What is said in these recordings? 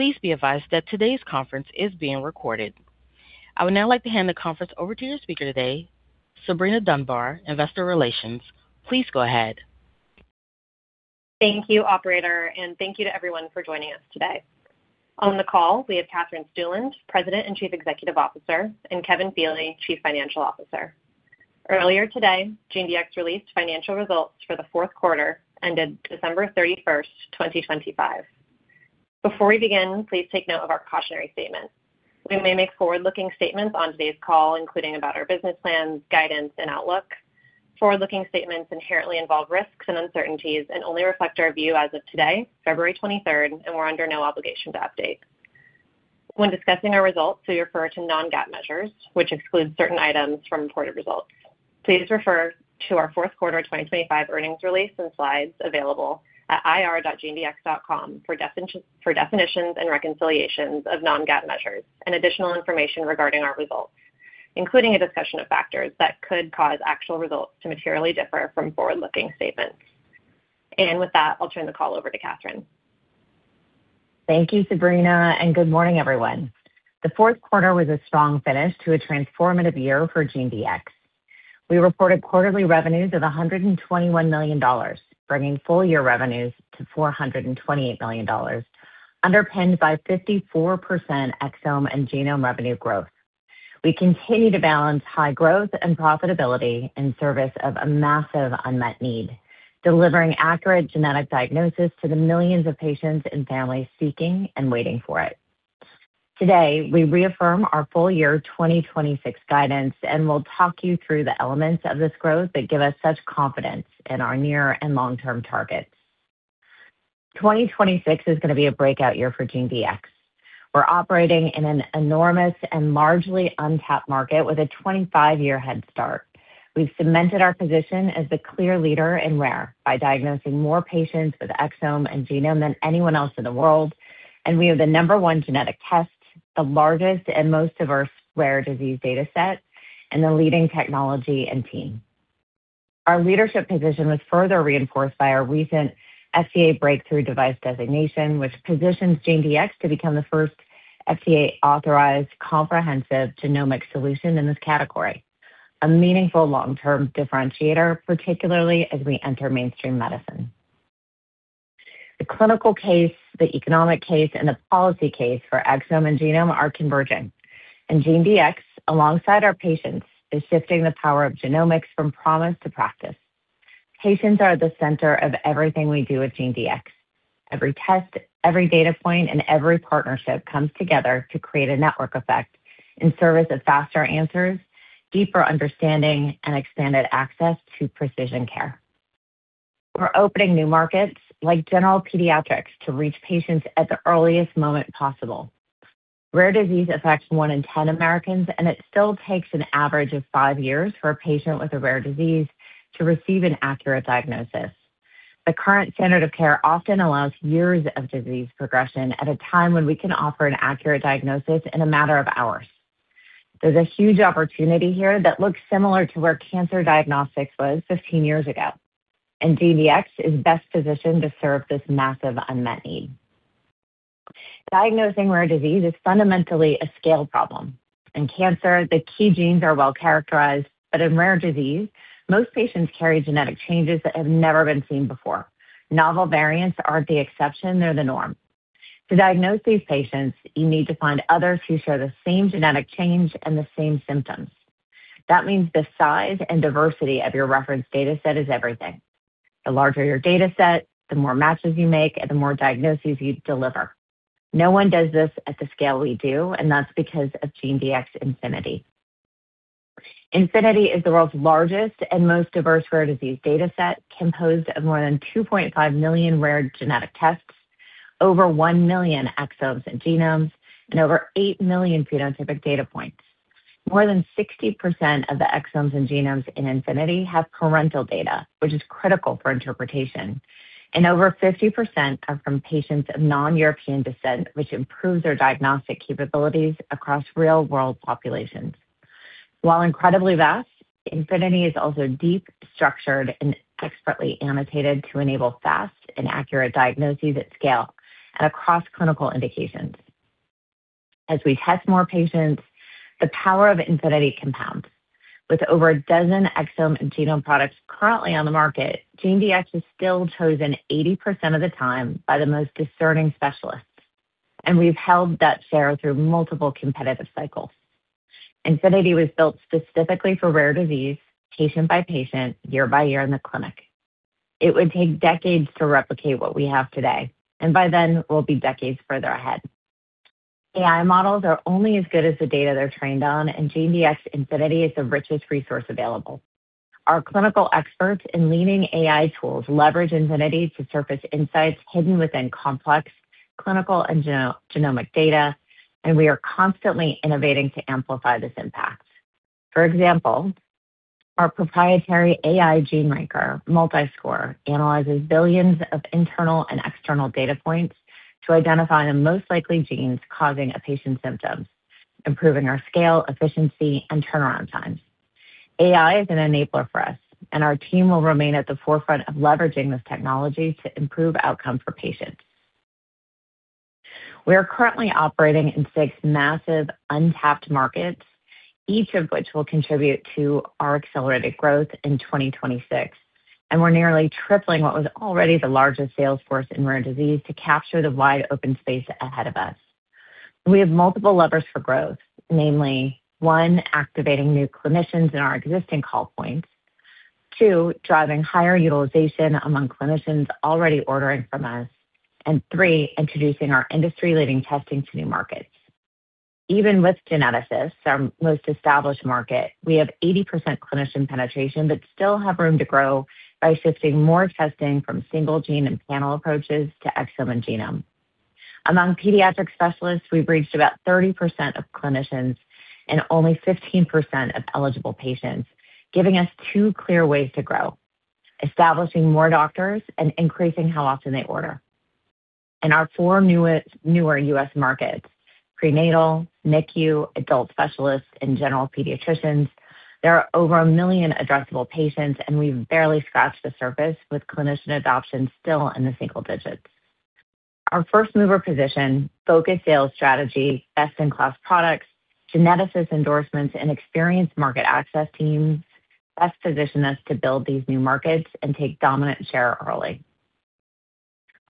Please be advised that today's conference is being recorded. I would now like to hand the conference over to your speaker today, Sabrina Dunbar, Investor Relations. Please go ahead. Thank you, operator, and thank you to everyone for joining us today. On the call, we have Katherine Stueland, President and Chief Executive Officer, and Kevin Feeley, Chief Financial Officer. Earlier today, GeneDx released financial results for the fourth quarter, ended December 31st, 2025. Before we begin, please take note of our cautionary statement. We may make forward-looking statements on today's call, including about our business plans, guidance, and outlook. Forward-looking statements inherently involve risks and uncertainties and only reflect our view as of today, February 23rd. We're under no obligation to update. When discussing our results, we refer to non-GAAP measures, which exclude certain items from reported results. Please refer to our fourth quarter 2025 earnings release and slides available at ir.genedx.com for definitions and reconciliations of non-GAAP measures and additional information regarding our results, including a discussion of factors that could cause actual results to materially differ from forward-looking statements. With that, I'll turn the call over to Katherine. Thank you, Sabrina, and good morning, everyone. The fourth quarter was a strong finish to a transformative year for GeneDx. We reported quarterly revenues of $121 million, bringing full-year revenues to $428 million, underpinned by 54% exome and genome revenue growth. We continue to balance high growth and profitability in service of a massive unmet need, delivering accurate genetic diagnosis to the millions of patients and families seeking and waiting for it. Today, we reaffirm our full year 2026 guidance, and we'll talk you through the elements of this growth that give us such confidence in our near and long-term targets. 2026 is going to be a breakout year for GeneDx. We're operating in an enormous and largely untapped market with a 25-year head start. We've cemented our position as the clear leader in rare by diagnosing more patients with exome and genome than anyone else in the world, and we have the number one genetic test, the largest and most diverse rare disease dataset, and the leading technology and team. Our leadership position was further reinforced by our recent FDA Breakthrough Device designation, which positions GeneDx to become the first FDA-authorized comprehensive genomic solution in this category, a meaningful long-term differentiator, particularly as we enter mainstream medicine. The clinical case, the economic case, and the policy case for exome and genome are converging, and GeneDx, alongside our patients, is shifting the power of genomics from promise to practice. Patients are at the center of everything we do at GeneDx. Every test, every data point, and every partnership comes together to create a network effect in service of faster answers, deeper understanding, and expanded access to precision care. We're opening new markets like general pediatrics to reach patients at the earliest moment possible. Rare disease affects 1 in 10 Americans, and it still takes an average of 5 years for a patient with a rare disease to receive an accurate diagnosis. The current standard of care often allows years of disease progression at a time when we can offer an accurate diagnosis in a matter of hours. There's a huge opportunity here that looks similar to where cancer diagnostics was 15 years ago, and GeneDx is best positioned to serve this massive unmet need. Diagnosing rare disease is fundamentally a scale problem. In cancer, the key genes are well characterized, but in rare disease, most patients carry genetic changes that have never been seen before. Novel variants aren't the exception, they're the norm. To diagnose these patients, you need to find others who share the same genetic change and the same symptoms. That means the size and diversity of your reference dataset is everything. The larger your dataset, the more matches you make and the more diagnoses you deliver. No one does this at the scale we do, and that's because of GeneDx Infinity. Infinity is the world's largest and most diverse rare disease dataset, composed of more than 2.5 million rare genetic tests, over 1 million exomes and genomes, and over 8 million phenotypic data points. More than 60% of the exomes and genomes in Infinity have parental data, which is critical for interpretation, and over 50% are from patients of non-European descent, which improves our diagnostic capabilities across real-world populations. While incredibly vast, Infinity is also deep, structured, and expertly annotated to enable fast and accurate diagnoses at scale and across clinical indications. As we test more patients, the power of Infinity compounds. With over a dozen exome and genome products currently on the market, GeneDx is still chosen 80% of the time by the most discerning specialists, and we've held that share through multiple competitive cycles. Infinity was built specifically for rare disease, patient by patient, year by year in the clinic. It would take decades to replicate what we have today, and by then, we'll be decades further ahead. AI models are only as good as the data they're trained on, and GeneDx Infinity is the richest resource available. Our clinical experts and leading AI tools leverage Infinity to surface insights hidden within complex clinical and genomic data, and we are constantly innovating to amplify this impact. For example, our proprietary AI gene ranker, Multiscore, analyzes billions of internal and external data points to identify the most likely genes causing a patient's symptoms, improving our scale, efficiency, and turnaround time. AI is an enabler for us, and our team will remain at the forefront of leveraging this technology to improve outcomes for patients. We are currently operating in six massive, untapped markets, each of which will contribute to our accelerated growth in 2026, and we're nearly tripling what was already the largest sales force in rare disease to capture the wide-open space ahead of us. We have multiple levers for growth, namely, 1, activating new clinicians in our existing call points. 2, driving higher utilization among clinicians already ordering from us. 3, introducing our industry-leading testing to new markets. Even with geneticists, our most established market, we have 80% clinician penetration, but still have room to grow by shifting more testing from single gene and panel approaches to exome and genome. Among pediatric specialists, we've reached about 30% of clinicians and only 15% of eligible patients, giving us two clear ways to grow: establishing more doctors and increasing how often they order. In our four newer U.S. markets, prenatal, NICU, adult specialists, and general pediatricians, there are over 1 million addressable patients, and we've barely scratched the surface, with clinician adoption still in the single digits. Our first-mover position, focused sales strategy, best-in-class products, geneticists endorsements, and experienced market access teams, best position us to build these new markets and take dominant share early.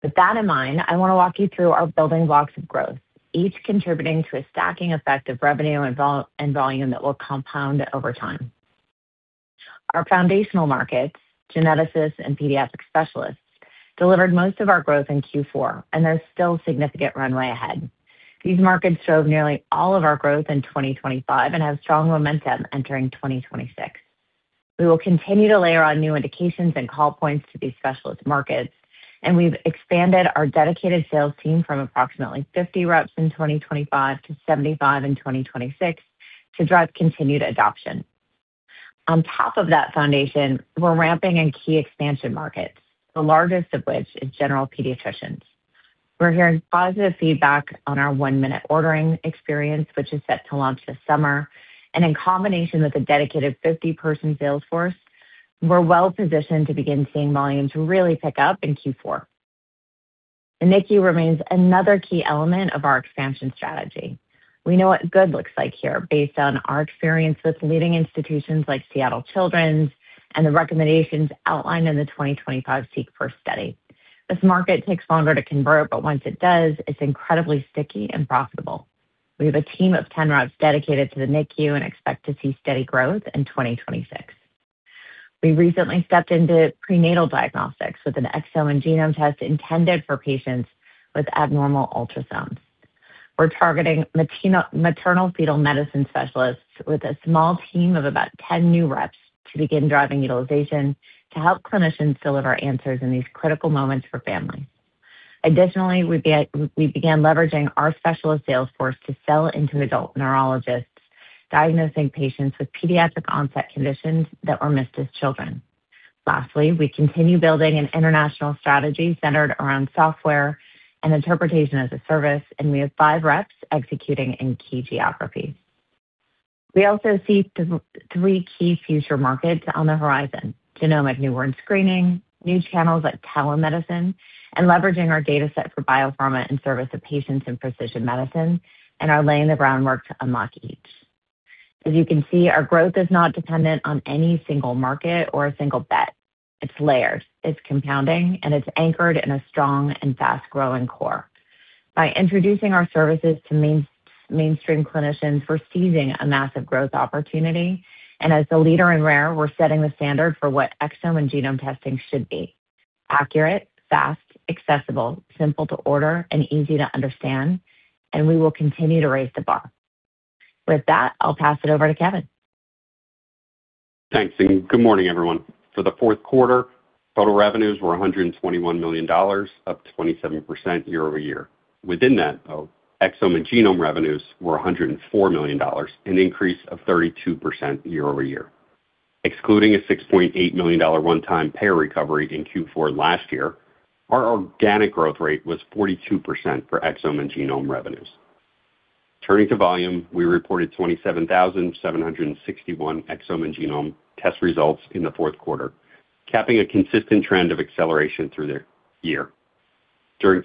With that in mind, I want to walk you through our building blocks of growth, each contributing to a stacking effect of revenue and volume that will compound over time. Our foundational markets, geneticists and pediatric specialists, delivered most of our growth in Q4, and there's still significant runway ahead. These markets drove nearly all of our growth in 2025 and have strong momentum entering 2026. We will continue to layer on new indications and call points to these specialist markets, and we've expanded our dedicated sales team from approximately 50 reps in 2025 to 75 in 2026 to drive continued adoption. On top of that foundation, we're ramping in key expansion markets, the largest of which is general pediatricians. We're hearing positive feedback on our one-minute ordering experience, which is set to launch this summer, in combination with a dedicated 50-person sales force, we're well positioned to begin seeing volumes really pick up in Q4. The NICU remains another key element of our expansion strategy. We know what good looks like here, based on our experience with leading institutions like Seattle Children's and the recommendations outlined in the 2025 SeqFirst study. This market takes longer to convert, once it does, it's incredibly sticky and profitable. We have a team of 10 reps dedicated to the NICU and expect to see steady growth in 2026. We recently stepped into prenatal diagnostics with an exome and genome test intended for patients with abnormal ultrasounds. We're targeting maternal fetal medicine specialists with a small team of about 10 new reps to begin driving utilization to help clinicians deliver answers in these critical moments for families. Additionally, we began leveraging our specialist sales force to sell into adult neurologists, diagnosing patients with pediatric-onset conditions that were missed as children. Lastly, we continue building an international strategy centered around software and Interpretation as a Service, and we have five reps executing in key geographies. We also see three key future markets on the horizon: genomic newborn screening, new channels like telemedicine, and leveraging our data set for biopharma in service of patients in precision medicine, and are laying the groundwork to unlock each. As you can see, our growth is not dependent on any single market or a single bet. It's layers, it's compounding, and it's anchored in a strong and fast-growing core. By introducing our services to mainstream clinicians, we're seizing a massive growth opportunity, and as the leader in rare, we're setting the standard for what exome and genome testing should be: accurate, fast, accessible, simple to order, and easy to understand, and we will continue to raise the bar. With that, I'll pass it over to Kevin. Thanks. Good morning, everyone. For the fourth quarter, total revenues were $121 million, up 27% year-over-year. Within that, though, exome and genome revenues were $104 million, an increase of 32% year-over-year. Excluding a $6.8 million one-time payor recovery in Q4 last year, our organic growth rate was 42% for exome and genome revenues. Turning to volume, we reported 27,761 exome and genome test results in the fourth quarter, capping a consistent trend of acceleration through the year. From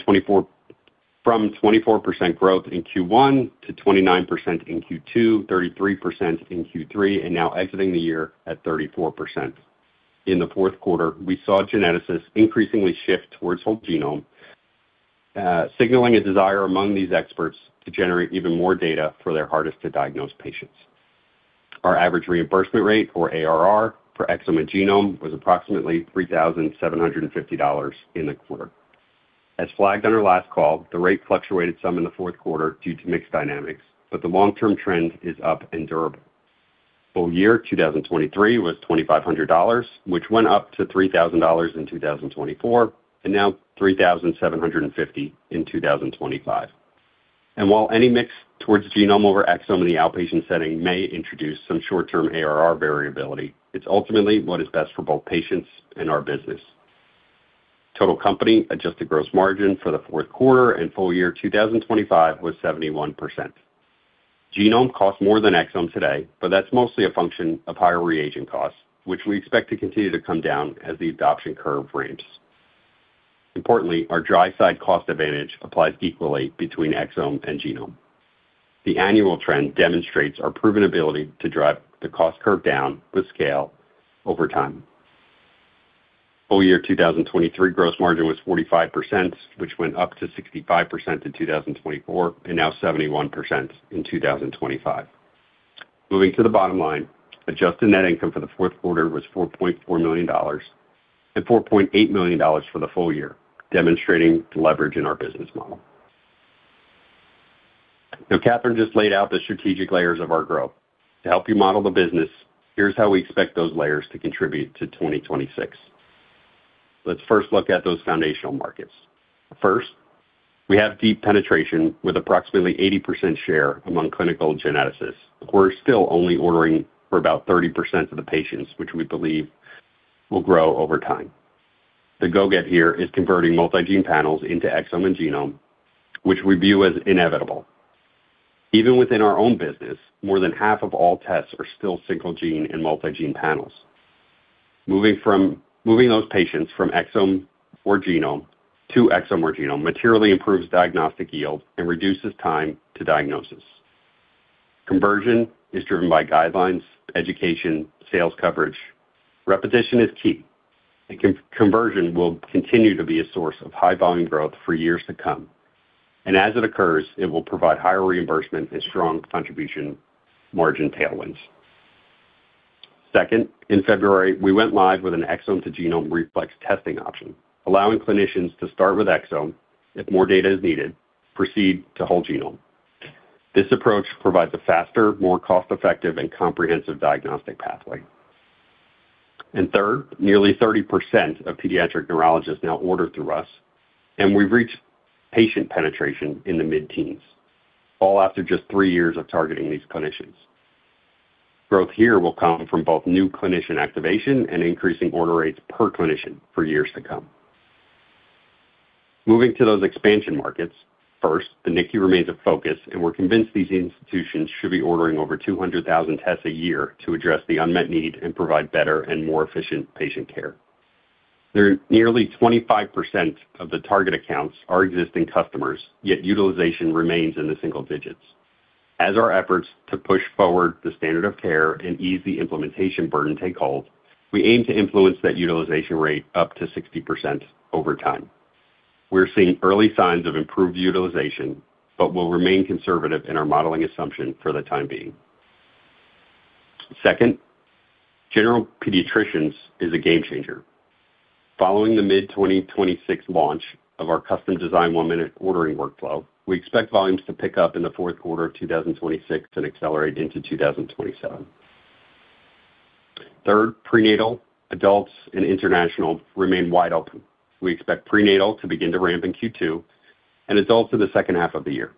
24% growth in Q1 to 29% in Q2, 33% in Q3, and now exiting the year at 34%. In the fourth quarter, we saw geneticists increasingly shift towards whole genome, signaling a desire among these experts to generate even more data for their hardest-to-diagnose patients. Our average reimbursement rate, or ARR, for exome and genome, was approximately $3,750 in the quarter. As flagged on our last call, the rate fluctuated some in the fourth quarter due to mix dynamics, but the long-term trend is up and durable. Full year 2023 was $2,500, which went up to $3,000 in 2024, and now $3,750 in 2025. While any mix towards genome over exome in the outpatient setting may introduce some short-term ARR variability, it's ultimately what is best for both patients and our business. Total company adjusted gross margin for the fourth quarter and full year 2025 was 71%. That's mostly a function of higher reagent costs, which we expect to continue to come down as the adoption curve ramps. Importantly, our dry site cost advantage applies equally between exome and genome. The annual trend demonstrates our proven ability to drive the cost curve down with scale over time. Full year 2023, gross margin was 45%, which went up to 65% in 2024, and now 71% in 2025. Moving to the bottom line, adjusted net income for the fourth quarter was $4.4 million, and $4.8 million for the full year, demonstrating the leverage in our business model. Katherine just laid out the strategic layers of our growth. To help you model the business, here's how we expect those layers to contribute to 2026. Let's first look at those foundational markets. First, we have deep penetration with approximately 80% share among clinical geneticists, who are still only ordering for about 30% of the patients, which we believe will grow over time. The go-get here is converting multi-gene panels into exome and genome, which we view as inevitable. Even within our own business, more than half of all tests are still single gene and multi-gene panels. Moving those patients from exome or genome to exome or genome, materially improves diagnostic yield and reduces time to diagnosis. Conversion is driven by guidelines, education, sales coverage. Repetition is key, and conversion will continue to be a source of high volume growth for years to come, and as it occurs, it will provide higher reimbursement and strong contribution margin tailwinds. Second, in February, we went live with an exome-to-genome reflex testing option, allowing clinicians to start with exome if more data is needed, proceed to whole genome. This approach provides a faster, more cost-effective, and comprehensive diagnostic pathway. Third, nearly 30% of pediatric neurologists now order through us, and we've reached patient penetration in the mid-teens, all after just three years of targeting these clinicians. Growth here will come from both new clinician activation and increasing order rates per clinician for years to come. Moving to those expansion markets, first, the NICU remains a focus. We're convinced these institutions should be ordering over 200,000 tests a year to address the unmet need and provide better and more efficient patient care. Nearly 25% of the target accounts are existing customers, yet utilization remains in the single digits. As our efforts to push forward the standard of care and ease the implementation burden take hold, we aim to influence that utilization rate up to 60% over time. We're seeing early signs of improved utilization. Will remain conservative in our modeling assumption for the time being. Second, general pediatricians is a game changer. Following the mid-2026 launch of our custom design one-minute ordering workflow, we expect volumes to pick up in the fourth quarter of 2026 and accelerate into 2027. Third, prenatal, adults, and international remain wide open. We expect prenatal to begin to ramp in Q2 and adults in the second half of the year.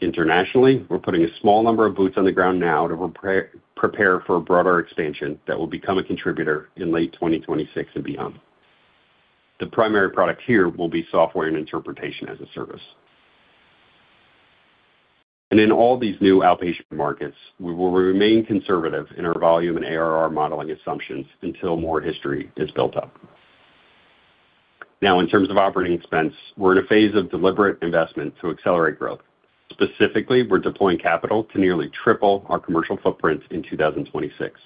Internationally, we're putting a small number of boots on the ground now to prepare for a broader expansion that will become a contributor in late 2026 and beyond. The primary product here will be software and Interpretation as a Service. In all these new outpatient markets, we will remain conservative in our volume and ARR modeling assumptions until more history is built up. In terms of operating expense, we're in a phase of deliberate investment to accelerate growth. Specifically, we're deploying capital to nearly triple our commercial footprint in 2026.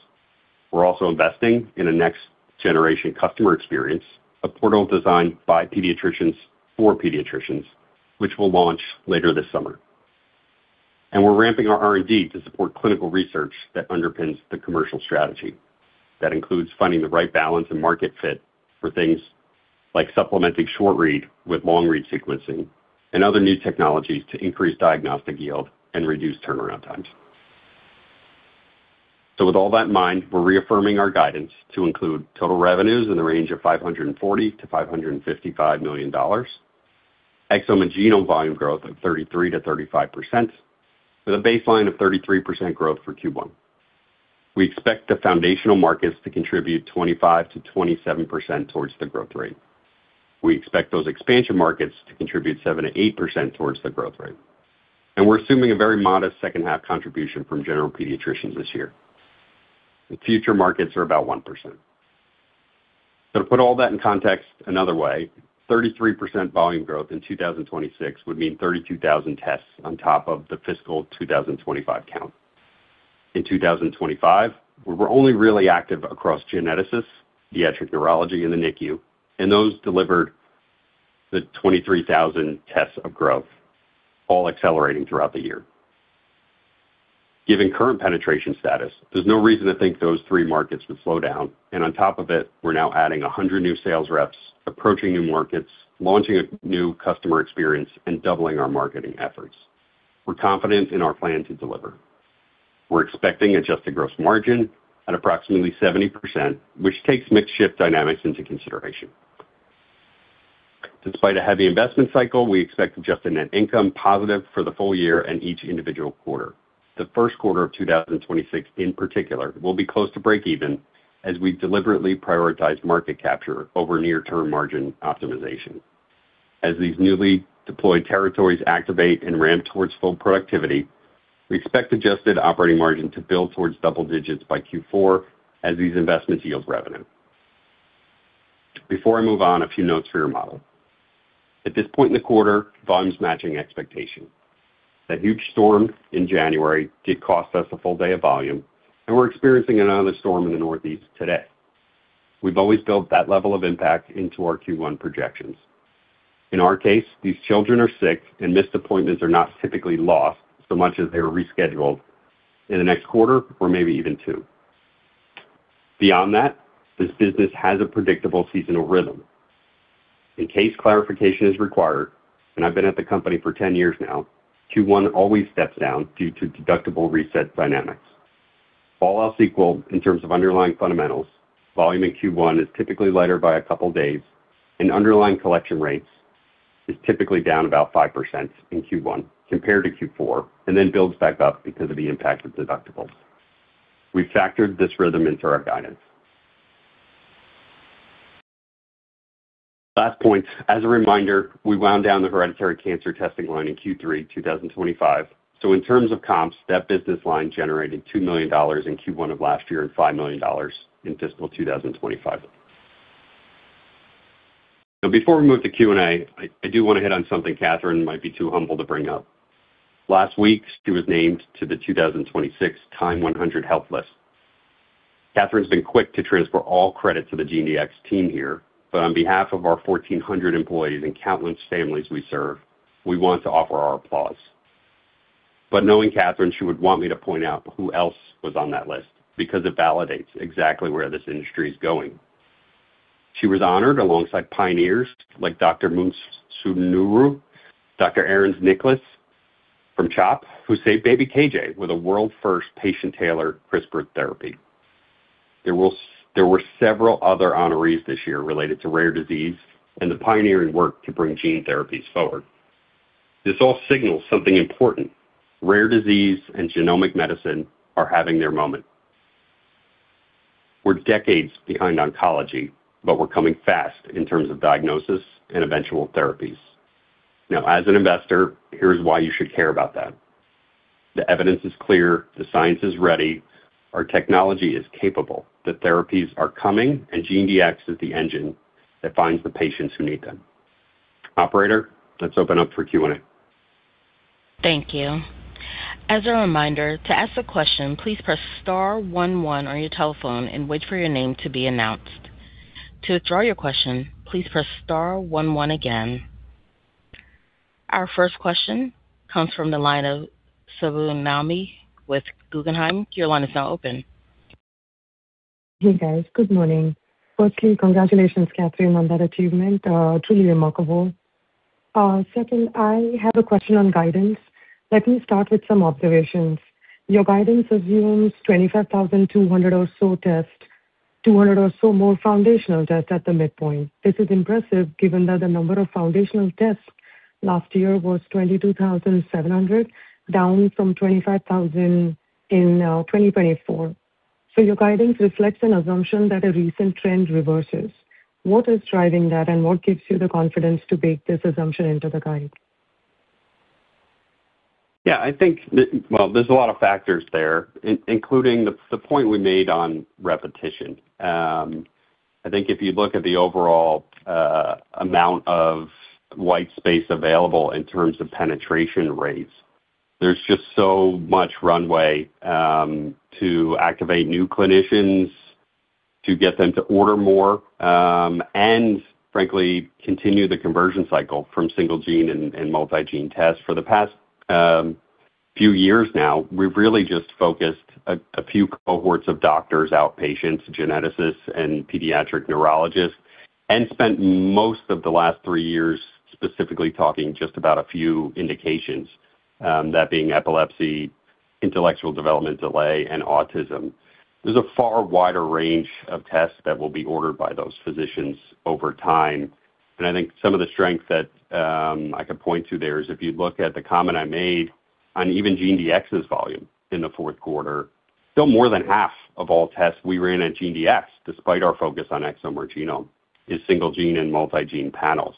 We're also investing in a next-generation customer experience, a portal designed by pediatricians for pediatricians, which will launch later this summer. We're ramping our R&D to support clinical research that underpins the commercial strategy. That includes finding the right balance and market fit for things like supplementing short-read with long-read sequencing and other new technologies to increase diagnostic yield and reduce turnaround times. With all that in mind, we're reaffirming our guidance to include total revenues in the range of $540 million-$555 million, exome and genome volume growth of 33%-35%, with a baseline of 33% growth for Q1. We expect the foundational markets to contribute 25%-27% towards the growth rate. We expect those expansion markets to contribute 7%-8% towards the growth rate, and we're assuming a very modest second half contribution from general pediatricians this year. The future markets are about 1%. To put all that in context another way, 33% volume growth in 2026 would mean 32,000 tests on top of the fiscal 2025 count. In 2025, we were only really active across geneticists, pediatric neurology, and the NICU, and those delivered the 23,000 tests of growth, all accelerating throughout the year. Given current penetration status, there's no reason to think those three markets would slow down, and on top of it, we're now adding 100 new sales reps, approaching new markets, launching a new customer experience, and doubling our marketing efforts. We're confident in our plan to deliver. We're expecting adjusted gross margin at approximately 70%, which takes mix shift dynamics into consideration. Despite a heavy investment cycle, we expect adjusted net income positive for the full year and each individual quarter. The first quarter of 2026, in particular, will be close to breakeven as we deliberately prioritize market capture over near-term margin optimization. As these newly deployed territories activate and ramp towards full productivity, we expect adjusted operating margin to build towards double digits by Q4 as these investments yield revenue. Before I move on, a few notes for your model. At this point in the quarter, volume is matching expectation. That huge storm in January did cost us a full day of volume. We're experiencing another storm in the Northeast today. We've always built that level of impact into our Q1 projections. In our case, these children are sick, and missed appointments are not typically lost so much as they are rescheduled in the next quarter or maybe even two. Beyond that, this business has a predictable seasonal rhythm. In case clarification is required, and I've been at the company for 10 years now, Q1 always steps down due to deductible reset dynamics. All else equal, in terms of underlying fundamentals, volume in Q1 is typically lighter by a couple days, and underlying collection rates is typically down about 5% in Q1 compared to Q4. Then builds back up because of the impact of deductibles. We factored this rhythm into our guidance. Last point, as a reminder, we wound down the hereditary cancer testing line in Q3 2025. In terms of comps, that business line generated $2 million in Q1 of last year and $5 million in fiscal 2025. Before we move to Q&A, I, I do want to hit on something Katherine might be too humble to bring up. Last week, she was named to the 2026 TIME100 Health list. Katherine's been quick to transfer all credit to the GeneDx team here, but on behalf of our 1,400 employees and countless families we serve, we want to offer our applause. Knowing Katherine, she would want me to point out who else was on that list, because it validates exactly where this industry is going. She was honored alongside pioneers like Dr. Monkol Lek, Dr. Rebecca Ahrens-Nicklas from CHOP, who saved baby KJ with a world-first patient-tailored CRISPR therapy. There were several other honorees this year related to rare disease and the pioneering work to bring gene therapies forward. This all signals something important: rare disease and genomic medicine are having their moment. We're decades behind oncology, but we're coming fast in terms of diagnosis and eventual therapies. As an investor, here's why you should care about that. The evidence is clear, the science is ready, our technology is capable, the therapies are coming, and GeneDx is the engine that finds the patients who need them. Operator, let's open up for Q&A. Thank you. As a reminder, to ask a question, please press star one one on your telephone and wait for your name to be announced. To withdraw your question, please press star one one again. Our first question comes from the line of Subbu Nambi with Guggenheim. Your line is now open. Hey, guys. Good morning. Firstly, congratulations, Katherine, on that achievement. Truly remarkable. Second, I have a question on guidance. Let me start with some observations. Your guidance assumes 25,200 or so tests, 200 or so more foundational tests at the midpoint. This is impressive, given that the number of foundational tests last year was 22,700, down from 25,000 in 2024. Your guidance reflects an assumption that a recent trend reverses. What is driving that, and what gives you the confidence to bake this assumption into the guide? Yeah, I think. Well, there's a lot of factors there, including the, the point we made on repetition. I think if you look at the overall amount of white space available in terms of penetration rates, there's just so much runway to activate new clinicians, to get them to order more, and frankly, continue the conversion cycle from single gene and multi-gene tests. For the past few years now, we've really just focused a few cohorts of doctors, outpatients, geneticists, and pediatric neurologists, and spent most of the last three years specifically talking just about a few indications, that being epilepsy, intellectual development delay, and autism. There's a far wider range of tests that will be ordered by those physicians over time. I think some of the strength that I could point to there is if you look at the comment I made on even GeneDx's volume in the fourth quarter, still more than half of all tests we ran at GeneDx, despite our focus on exome or genome, is single gene and multi-gene panels.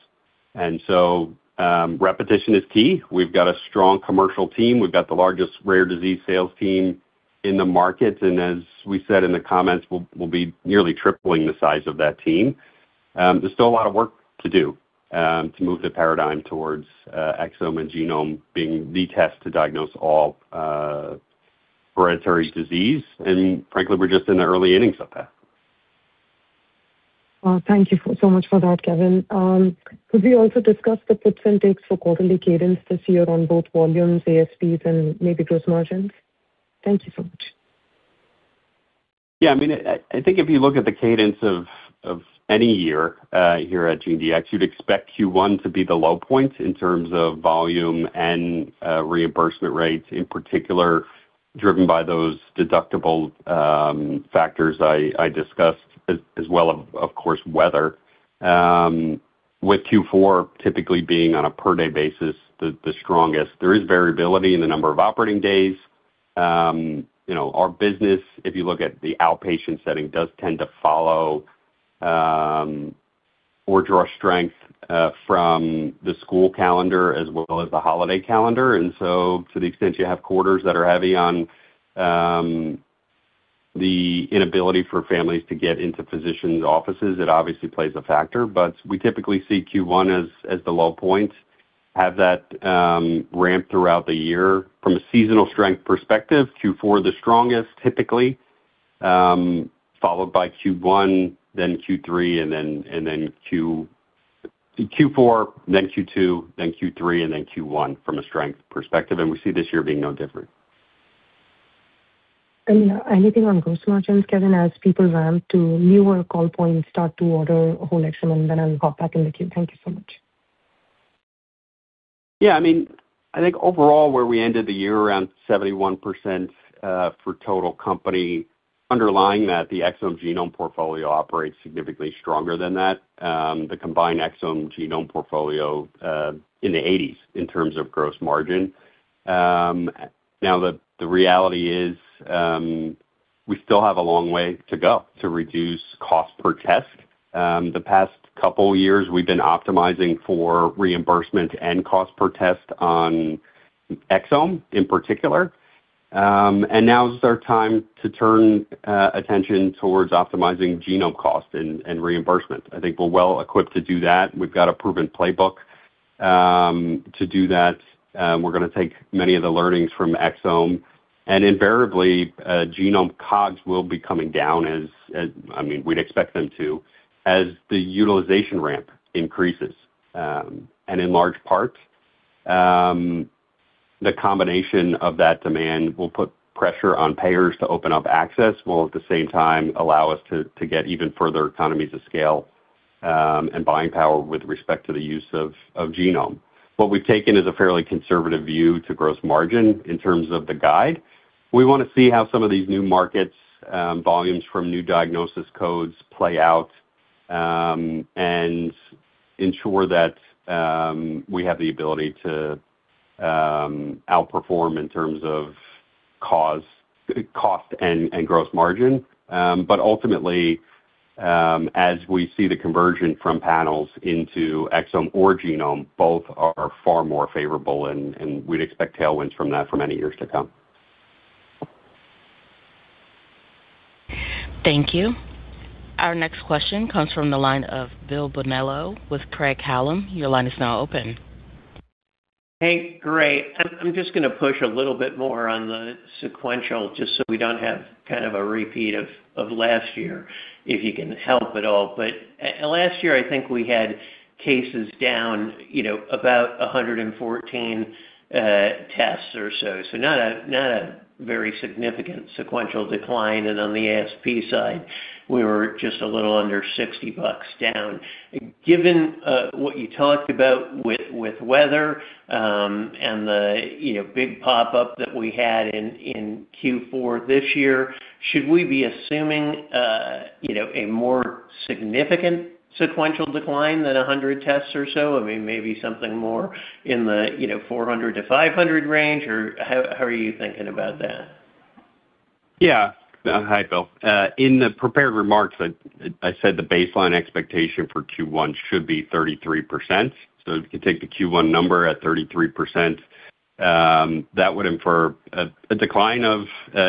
Repetition is key. We've got a strong commercial team. We've got the largest rare disease sales team in the market, and as we said in the comments, we'll, we'll be nearly tripling the size of that team. There's still a lot of work to do to move the paradigm towards exome and genome being the test to diagnose all hereditary disease, and frankly, we're just in the early innings of that. Well, thank you for so much for that, Kevin. Could we also discuss the puts and takes for quarterly cadence this year on both volumes, ASPs, and maybe gross margins? Thank you so much. Yeah, I mean, I, I think if you look at the cadence of any year here at GeneDx, you'd expect Q1 to be the low point in terms of volume and reimbursement rates, in particular, driven by those deductible factors I discussed as well, of course, weather. With Q4 typically being on a per-day basis, the strongest, there is variability in the number of operating days. You know, our business, if you look at the outpatient setting, does tend to follow or draw strength from the school calendar as well as the holiday calendar. So to the extent you have quarters that are heavy on the inability for families to get into physicians' offices, it obviously plays a factor. We typically see Q1 as the low point, have that ramp throughout the year. From a seasonal strength perspective, Q4 is the strongest, typically, followed by Q1, then Q3, and then Q4, then Q2, then Q3, and then Q1, from a strength perspective, and we see this year being no different. Anything on gross margins, Kevin, as people ramp to newer call points, start to order whole exome, and then I'll hop back in the queue. Thank you so much. Yeah, I mean, I think overall, where we ended the year, around 71%, for total company, underlying that, the exome genome portfolio operates significantly stronger than that. The combined exome genome portfolio, in the 80s in terms of gross margin. Now, the reality is, we still have a long way to go to reduce cost per test. The past couple years, we've been optimizing for reimbursement and cost per test on exome in particular. And now is our time to turn attention towards optimizing genome cost and reimbursement. I think we're well equipped to do that. We've got a proven playbook to do that. We're going to take many of the learnings from exome, and invariably, genome COGS will be coming down as, as, I mean, we'd expect them to, as the utilization ramp increases. In large part, the combination of that demand will put pressure on payers to open up access, while at the same time allow us to, to get even further economies of scale, and buying power with respect to the use of, of genome. What we've taken is a fairly conservative view to gross margin in terms of the guide. We want to see how some of these new markets, volumes from new diagnosis codes play out, and ensure that we have the ability to, outperform in terms of cause, cost and, and gross margin. Ultimately, as we see the conversion from panels into exome or genome, both are far more favorable and, and we'd expect tailwinds from that for many years to come. Thank you. Our next question comes from the line of Bill Bonello with Craig-Hallum. Your line is now open. Hey, great. I'm just going to push a little bit more on the sequential, just so we don't have kind of a repeat of last year, if you can help at all. Last year, I think we had cases down, you know, about 114 tests or so. Not a, not a very significant sequential decline. On the ASP side, we were just a little under $60 down. Given what you talked about with weather, and the, you know, big pop-up that we had in Q4 this year, should we be assuming, you know, a more significant sequential decline than 100 tests or so? I mean, maybe something more in the, you know, 400-500 range, or how, how are you thinking about that? Yeah. Hi, Bill. In the prepared remarks, I, I said the baseline expectation for Q1 should be 33%. If you take the Q1 number at 33%, that would infer a, a decline of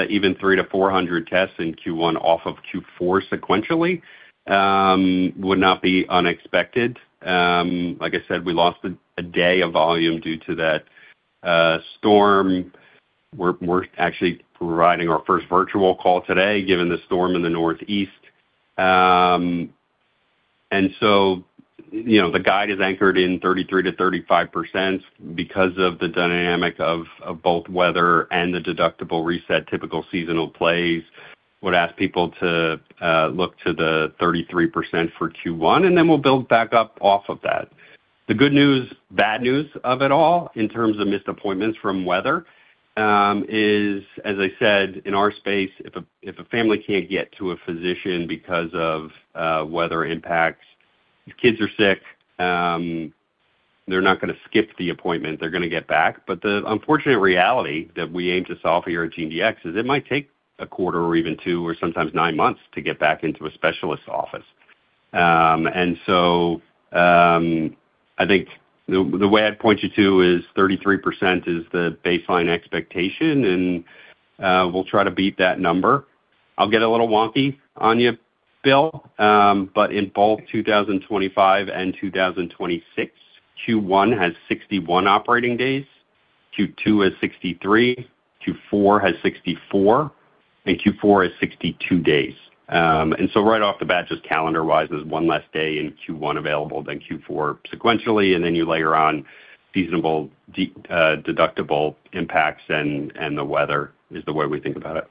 even 300-400 tests in Q1 off of Q4 sequentially, would not be unexpected. Like I said, we lost a, a day of volume due to that storm. We're, we're actually providing our first virtual call today, given the storm in the Northeast. You know, the guide is anchored in 33%-35% because of the dynamic of, of both weather and the deductible reset. Typical seasonal plays would ask people to look to the 33% for Q1, and then we'll build back up off of that. The good news, bad news of it all, in terms of missed appointments from weather, is, as I said, in our space, if a family can't get to a physician because of weather impacts, kids are sick, they're not going to skip the appointment. They're going to get back. The unfortunate reality that we aim to solve here at GeneDx is it might take a quarter or even two, or sometimes 9 months to get back into a specialist office. So, I think the way I'd point you to is 33% is the baseline expectation, and we'll try to beat that number. I'll get a little wonky on you, Bill, but in both 2025 and 2026, Q1 has 61 operating days, Q2 has 63, Q4 has 64, and Q4 is 62 days. Right off the bat, just calendar-wise, there's 1 less day in Q1 available than Q4 sequentially, and then you layer on seasonable deductible impacts and the weather, is the way we think about it.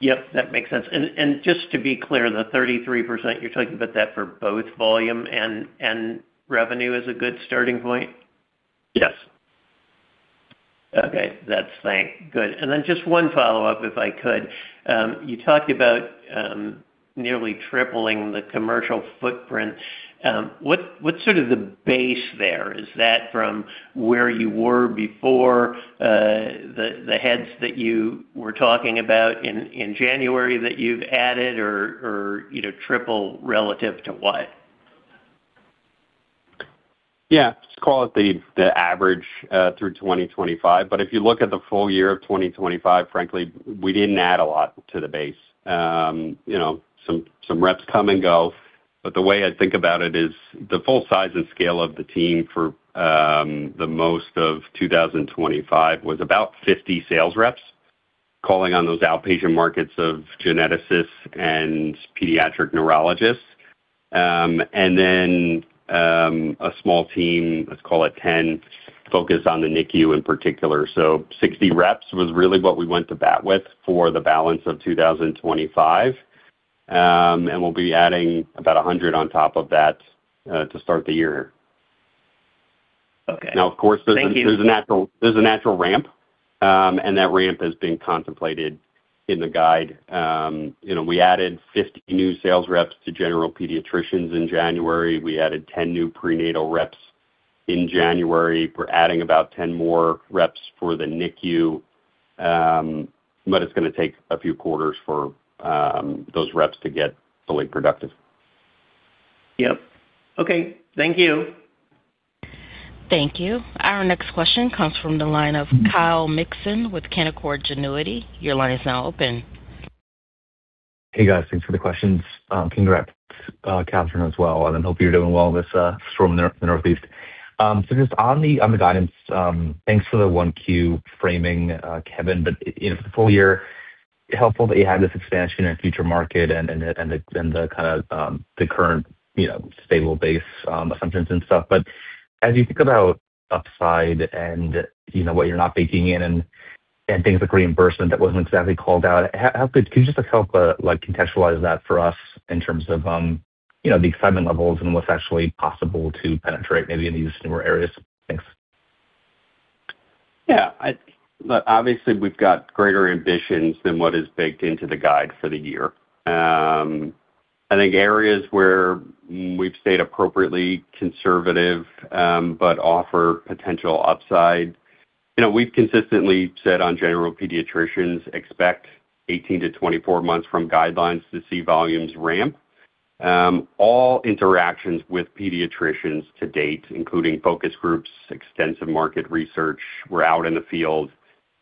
Yep, that makes sense. Just to be clear, the 33%, you're talking about that for both volume and revenue is a good starting point? Okay, that's thank. Good. Just 1 follow-up, if I could. You talked about nearly tripling the commercial footprint. What, what's sort of the base there? Is that from where you were before, the, the heads that you were talking about in January that you've added, or, or, you know, triple relative to what? Yeah, just call it the, the average, through 2025. If you look at the full year of 2025, frankly, we didn't add a lot to the base. You know, some, some reps come and go, but the way I think about it is the full size and scale of the team for the most of 2025 was about 50 sales reps calling on those outpatient markets of geneticists and pediatric neurologists. And then, a small team, let's call it 10, focused on the NICU in particular. Sixty reps was really what we went to bat with for the balance of 2025. We'll be adding about 100 on top of that to start the year. Okay. Now, of course, there's a natural, there's a natural ramp, and that ramp is being contemplated in the guide. You know, we added 50 new sales reps to general pediatricians in January. We added 10 new prenatal reps in January. We're adding about 10 more reps for the NICU, but it's gonna take a few quarters for those reps to get fully productive. Yep. Okay. Thank you. Thank you. Our next question comes from the line of Kyle Mikson with Canaccord Genuity. Your line is now open. Hey, guys, thanks for the questions. Congrats, Katherine, as well, and I hope you're doing well with this storm in the Northeast. Just on the, on the guidance, thanks for the 1Q framing, Kevin, but you know, for the full year, helpful that you had this expansion in a future market and the kind of, the current, you know, stable base, assumptions. As you think about upside and you know, what you're not baking in and, and things like reimbursement, that wasn't exactly called out. How can you just help, like, contextualize that for us in terms of, you know, the excitement levels and what's actually possible to penetrate maybe in these newer areas? Thanks. Yeah, look, obviously, we've got greater ambitions than what is baked into the guide for the year. I think areas where we've stayed appropriately conservative, but offer potential upside. You know, we've consistently said on general pediatricians expect 18-24 months from guidelines to see volumes ramp. All interactions with pediatricians to date, including focus groups, extensive market research, we're out in the field,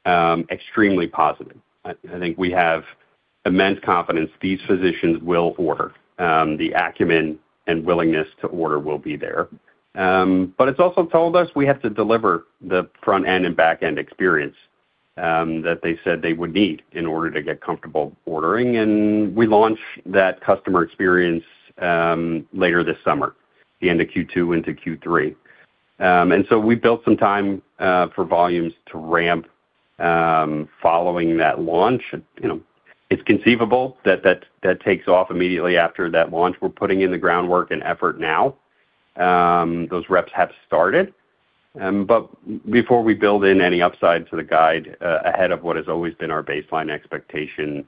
extremely positive. I, I think we have immense confidence these physicians will order, the acumen and willingness to order will be there. It's also told us we have to deliver the front-end and back-end experience, that they said they would need in order to get comfortable ordering, and we launch that customer experience, later this summer, the end of Q2 into Q3. We've built some time for volumes to ramp following that launch. You know, it's conceivable that that, that takes off immediately after that launch. We're putting in the groundwork and effort now. Those reps have started, but before we build in any upside to the guide ahead of what has always been our baseline expectation,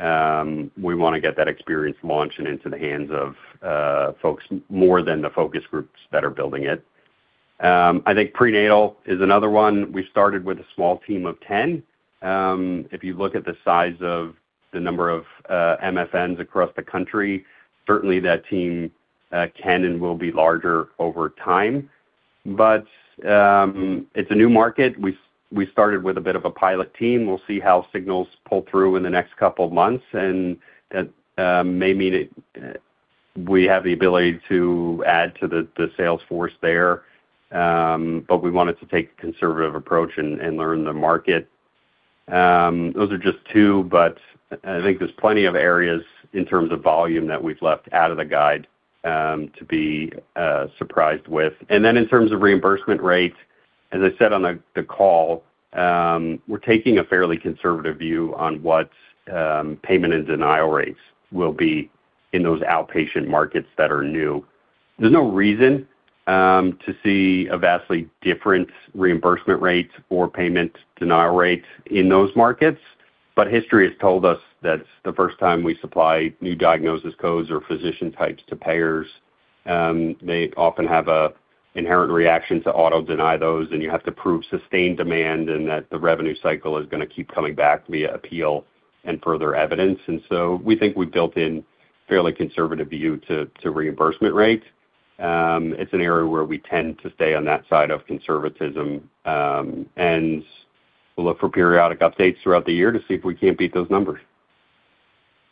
we want to get that experience launched and into the hands of folks more than the focus groups that are building it. I think prenatal is another one. We started with a small team of 10. If you look at the size of the number of MFN across the country, certainly that team can and will be larger over time. It's a new market. We started with a bit of a pilot team. We'll see how signals pull through in the next couple of months, and that may mean it we have the ability to add to the, the sales force there, but we wanted to take a conservative approach and, and learn the market. Those are just two, but I think there's plenty of areas in terms of volume that we've left out of the guide, to be surprised with. Then in terms of reimbursement rates, as I said on the, the call, we're taking a fairly conservative view on what payment and denial rates will be in those outpatient markets that are new. There's no reason to see a vastly different reimbursement rates or payment denial rates in those markets. History has told us that the first time we supply new diagnosis codes or physician types to payers, they often have a inherent reaction to auto deny those, and you have to prove sustained demand and that the revenue cycle is gonna keep coming back via appeal and further evidence. So we think we've built in fairly conservative view to, to reimbursement rates. It's an area where we tend to stay on that side of conservatism, and we'll look for periodic updates throughout the year to see if we can't beat those numbers.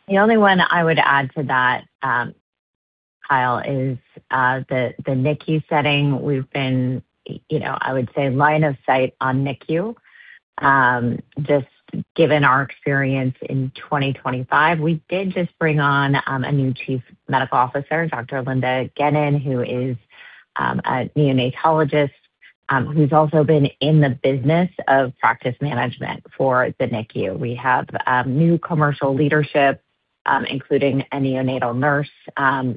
The only one I would add to that, Kyle, is the NICU setting. We've been, you know, I would say, line of sight on NICU. Just given our experience in 2025, we did just bring on a new Chief Medical Officer, Dr. Linda Genen, who is a neonatologist, who's also been in the business of practice management for the NICU. We have new commercial leadership, including a neonatal nurse,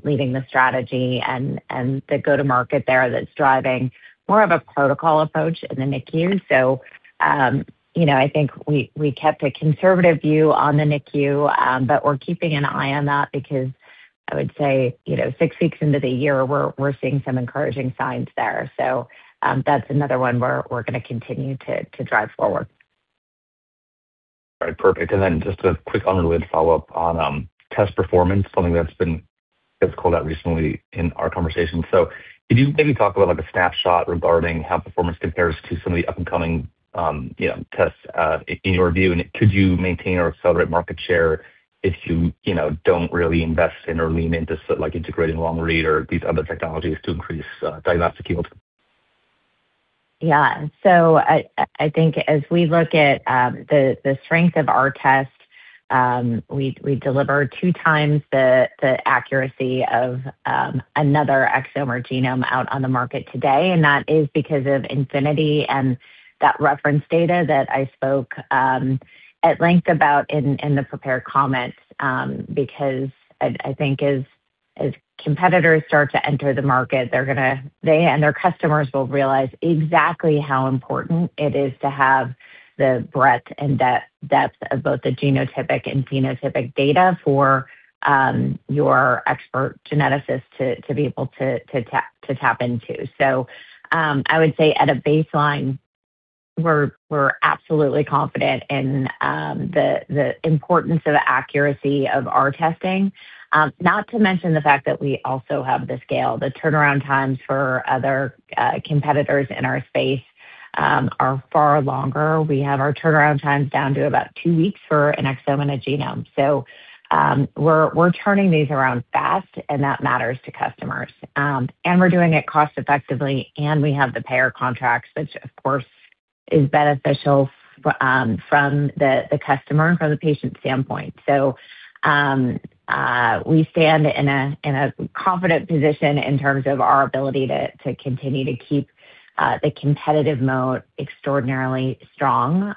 leading the strategy and the go-to-market there that's driving more of a protocol approach in the NICU. So, you know, I think we, we kept a conservative view on the NICU, but we're keeping an eye on that because I would say, you know, six weeks into the year, we're, we're seeing some encouraging signs there. That's another one where we're going to continue to, to drive forward. Right. Perfect. Then just a quick unrelated follow-up on test performance, something that's been, that's called out recently in our conversation. Could you maybe talk about, like, a snapshot regarding how performance compares to some of the up-and-coming, you know, tests in your view? Could you maintain or accelerate market share if you, you know, don't really invest in or lean into, like, integrating long-read or these other technologies to increase diagnostic yield? Yeah. I, I think as we look at the strength of our test, we deliver two times the accuracy of another exome or genome out on the market today, and that is because of Infinity and that reference data that I spoke at length about in the prepared comments. I, I think as competitors start to enter the market, they're gonna they and their customers will realize exactly how important it is to have the breadth and depth of both the genotypic and phenotypic data for your expert geneticist to be able to tap, to tap into. I would say at a baseline, we're absolutely confident in the importance of accuracy of our testing, not to mention the fact that we also have the scale. The turnaround times for other competitors in our space are far longer. We have our turnaround times down to about two weeks for an exome and a genome. We're, we're turning these around fast, and that matters to customers. We're doing it cost effectively, and we have the payer contracts, which, of course, is beneficial from the, the customer, from the patient standpoint. We stand in a, in a confident position in terms of our ability to, to continue to keep the competitive mode extraordinarily strong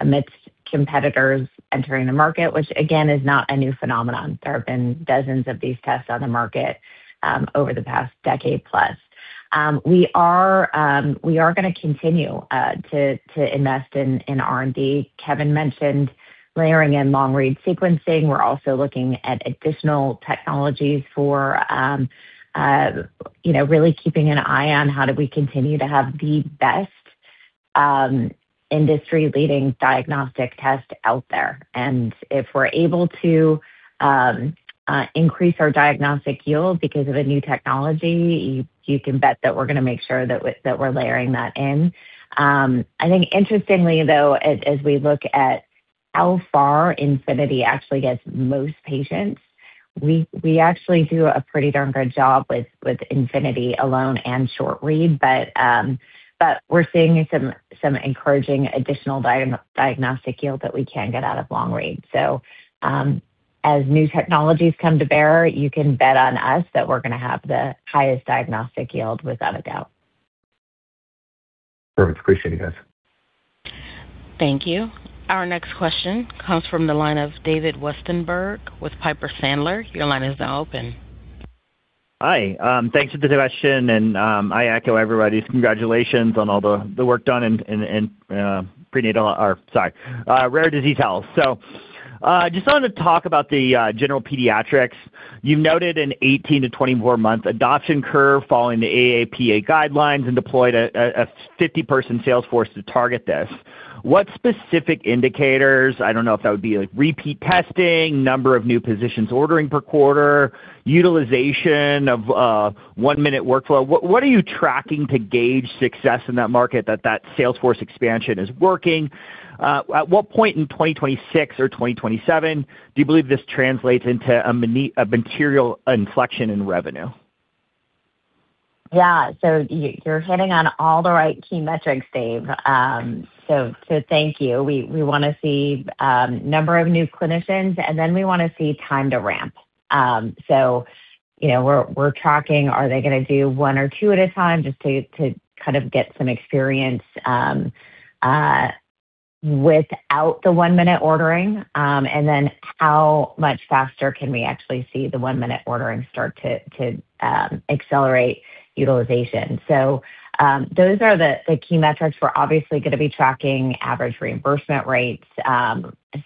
amidst competitors entering the market, which, again, is not a new phenomenon. There have been dozens of these tests on the market over the past decade plus. We are, we are gonna continue to, to invest in, in R&D. Kevin mentioned layering in long-read sequencing. We're also looking at additional technologies for, you know, really keeping an eye on how do we continue to have the best industry-leading diagnostic test out there. If we're able to increase our diagnostic yield because of a new technology, you can bet that we're gonna make sure that we're, that we're layering that in. I think interestingly, though, as, as we look at how far Infinity actually gets most patients, we, we actually do a pretty darn good job with, with Infinity alone and short read, but we're seeing some encouraging additional diagnostic yield that we can get out of long read. As new technologies come to bear, you can bet on us that we're gonna have the highest diagnostic yield without a doubt. Perfect. Appreciate it, guys. Thank you. Our next question comes from the line of David Westenberg with Piper Sandler. Your line is now open. Hi, thanks for the question. I echo everybody's congratulations on all the, the work done in, in, in, prenatal, or sorry, rare disease health. Just wanted to talk about the general pediatrics. You've noted an 18-24-month adoption curve following the AAP guidelines and deployed a, a, a 50-person sales force to target this. What specific indicators, I don't know if that would be, like, repeat testing, number of new positions ordering per quarter, utilization of one-minute workflow, what, what are you tracking to gauge success in that market that, that sales force expansion is working? At what point in 2026 or 2027 do you believe this translates into a mini- a material inflection in revenue? Yeah. You, you're hitting on all the right key metrics, Dave. Thank you. We, we want to see number of new clinicians, and then we want to see time to ramp. You know, we're, we're tracking are they gonna do one or two at a time just to, to kind of get some experience without the one-minute ordering, and then how much faster can we actually see the one-minute ordering start to, to accelerate utilization? Those are the, the key metrics. We're obviously gonna be tracking average reimbursement rates,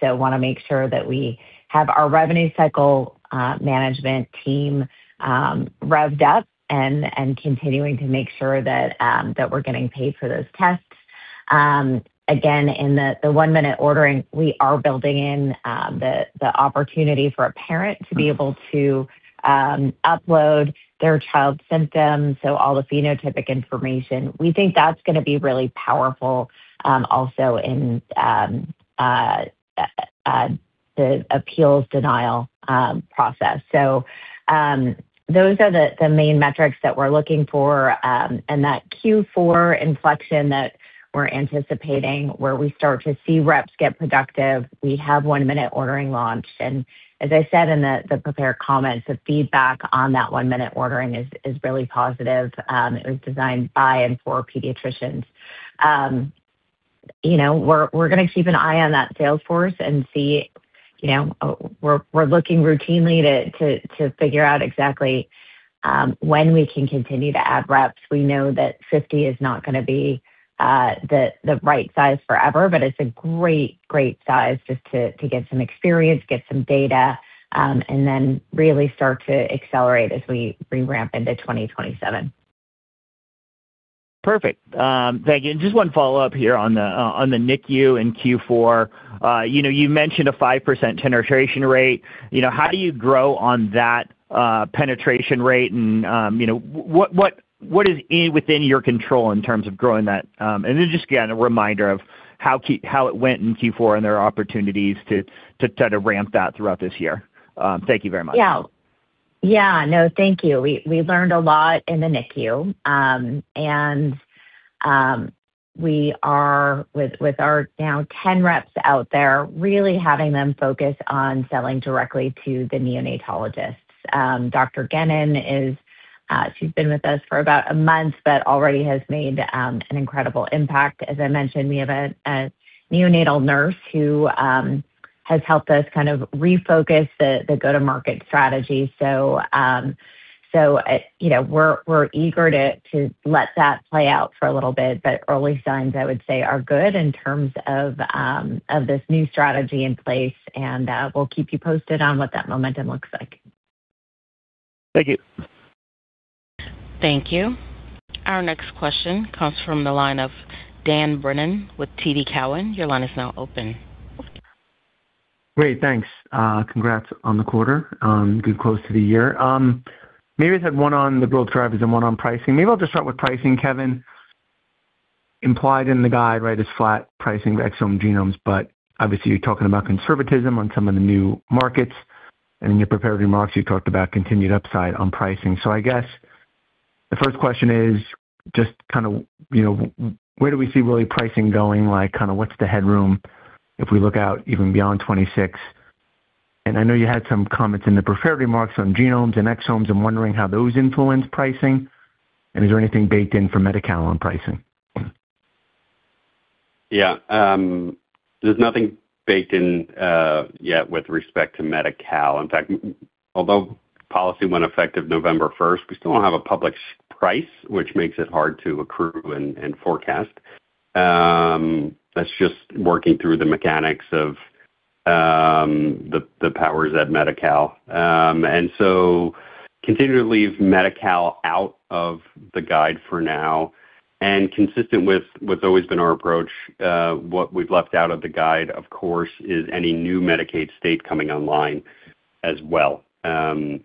so want to make sure that we have our revenue cycle management team revved up and, and continuing to make sure that we're getting paid for those tests. Again, in the one-minute ordering, we are building in the opportunity for a parent to be able to upload their child's symptoms, so all the phenotypic information. We think that's gonna be really powerful, also in the appeals denial process. Those are the main metrics that we're looking for, and that Q4 inflection that we're anticipating, where we start to see reps get productive, we have one-minute ordering launched. As I said in the prepared comments, the feedback on that one-minute ordering is really positive. It was designed by and for pediatricians. You know, we're going to keep an eye on that sales force and see, you know, we're looking routinely to figure out exactly when we can continue to add reps. We know that 50 is not going to be, the right size forever, but it's a great, great size just to, to get some experience, get some data, and then really start to accelerate as we re-ramp into 2027. Perfect. Thank you. Just one follow-up here on the, on the NICU in Q4. You know, you mentioned a 5% penetration rate. You know, how do you grow on that, penetration rate? What, what, what is in within your control in terms of growing that? And then just again, a reminder of how key- how it went in Q4 and there are opportunities to, to try to ramp that throughout this year. Thank you very much. Yeah. Yeah. No, thank you. We, we learned a lot in the NICU. We are with, with our now 10 reps out there, really having them focus on selling directly to the neonatologists. Dr. Genen is, she's been with us for about a month, but already has made an incredible impact. As I mentioned, we have a, a neonatal nurse who has helped us kind of refocus the, the go-to-market strategy. You know, we're, we're eager to, to let that play out for a little bit, but early signs, I would say, are good in terms of this new strategy in place. We'll keep you posted on what that momentum looks like. Thank you. Thank you. Our next question comes from the line of Dan Brennan with TD Cowen. Your line is now open. Great, thanks. Congrats on the quarter. Good close to the year. Maybe I just had one on the growth drivers and one on pricing. Maybe I'll just start with pricing. Kevin, implied in the guide, right, is flat pricing of exome genomes. Obviously you're talking about conservatism on some of the new markets, and in your prepared remarks, you talked about continued upside on pricing. I guess the first question is just kind of, you know, where do we see really pricing going? Like, kind of what's the headroom if we look out even beyond 2026? I know you had some comments in the prepared remarks on genomes and exomes. I'm wondering how those influence pricing, and is there anything baked in for Medi-Cal on pricing? Yeah, there's nothing baked in yet with respect to Medi-Cal. In fact, although policy went effective November first, we still don't have a public price, which makes it hard to accrue and forecast. That's just working through the mechanics of the powers at Medi-Cal. Continue to leave Medi-Cal out of the guide for now, and consistent with what's always been our approach, what we've left out of the guide, of course, is any new Medicaid state coming online as well. A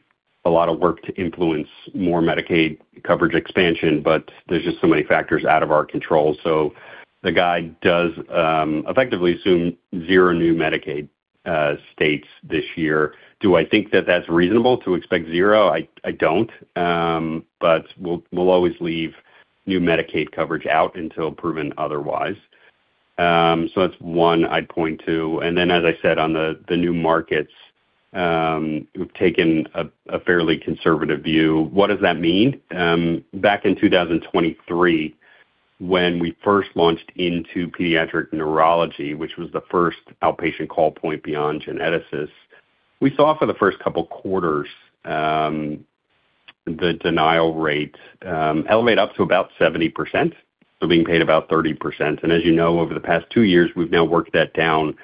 lot of work to influence more Medicaid coverage expansion, but there's just so many factors out of our control. The guide does effectively assume zero new Medicaid states this year. Do I think that that's reasonable to expect zero? I, I don't, but we'll always leave new Medicaid coverage out until proven otherwise. That's one I'd point to. As I said, on the, the new markets, we've taken a, a fairly conservative view. What does that mean? Back in 2023, when we first launched into pediatric neurology, which was the first outpatient call point beyond geneticists, we saw for the first couple quarters, the denial rate, elevate up to about 70%, so being paid about 30%. As you know, over the past two years, we've now worked that down,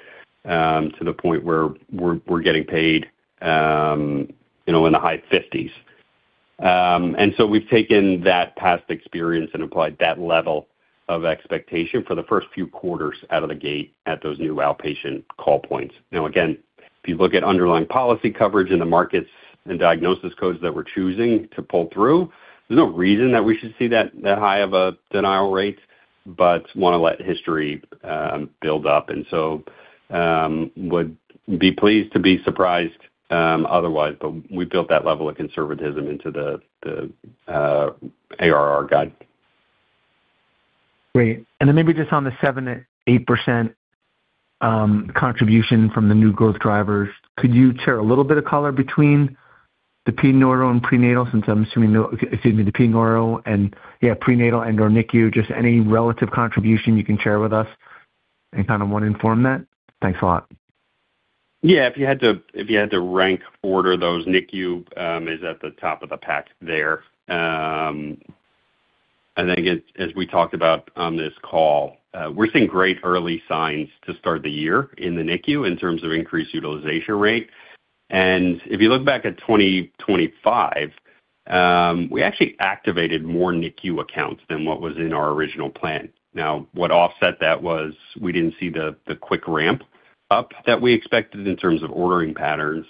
to the point where we're, we're getting paid, you know, in the high 50s. We've taken that past experience and applied that level of expectation for the first few quarters out of the gate at those new outpatient call points. Now, again, if you look at underlying policy coverage in the markets and diagnosis codes that we're choosing to pull through, there's no reason that we should see that, that high of a denial rate, but want to let history, build up. Would be pleased to be surprised, otherwise, but we built that level of conservatism into the, the, ARR guide. Great. Then maybe just on the 7%-8% contribution from the new growth drivers, could you share a little bit of color between the neuro and prenatal, since I'm assuming the neuro and, prenatal and or NICU, just any relative contribution you can share with us and kind of want to inform that? Thanks a lot. Yeah. If you had to, if you had to rank order those, NICU, is at the top of the pack there. I think as, as we talked about on this call, we're seeing great early signs to start the year in the NICU in terms of increased utilization rate. If you look back at 2025, we actually activated more NICU accounts than what was in our original plan. Now, what offset that was we didn't see the, the quick ramp-up that we expected in terms of ordering patterns.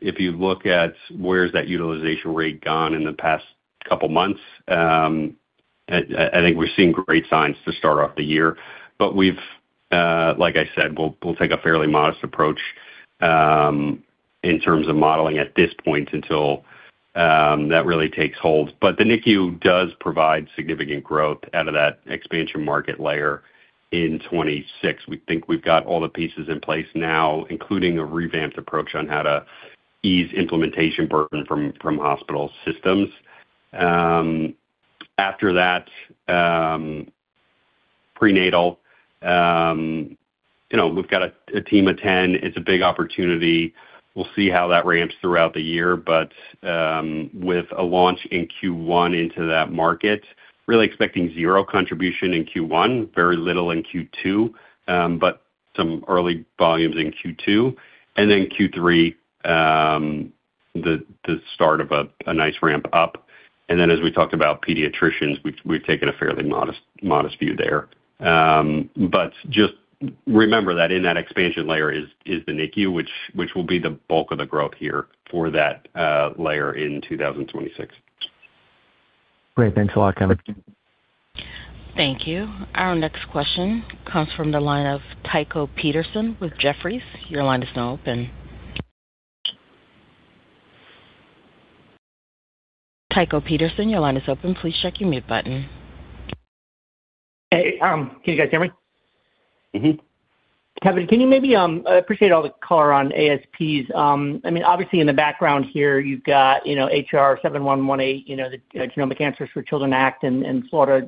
If you look at where's that utilization rate gone in the past couple months, I, I think we're seeing great signs to start off the year. We've, like I said, we'll, we'll take a fairly modest approach, in terms of modeling at this point until, that really takes hold. The NICU does provide significant growth out of that expansion market layer in 2026. We think we've got all the pieces in place now, including a revamped approach on how to ease implementation burden from, from hospital systems. After that, prenatal. You know, we've got a team of 10. It's a big opportunity. We'll see how that ramps throughout the year, but with a launch in Q1 into that market, really expecting 0 contribution in Q1, very little in Q2, but some early volumes in Q2, and then Q3, the start of a nice ramp up. As we talked about pediatricians, we, we've taken a fairly modest, modest view there. Just remember that in that expansion layer is, is the NICU, which, which will be the bulk of the growth here for that layer in 2026. Great. Thanks a lot, Kevin. Thank you. Our next question comes from the line of Tycho Peterson with Jefferies. Your line is now open. Tycho Peterson, your line is open. Please check your mute button. Hey, can you guys hear me? Mm-hmm. Kevin, can you maybe, I appreciate all the color on ASPs. I mean, obviously in the background here, you've got, you know, H.R. 7118, you know, the Genomic Answers for Children Act and, and Florida,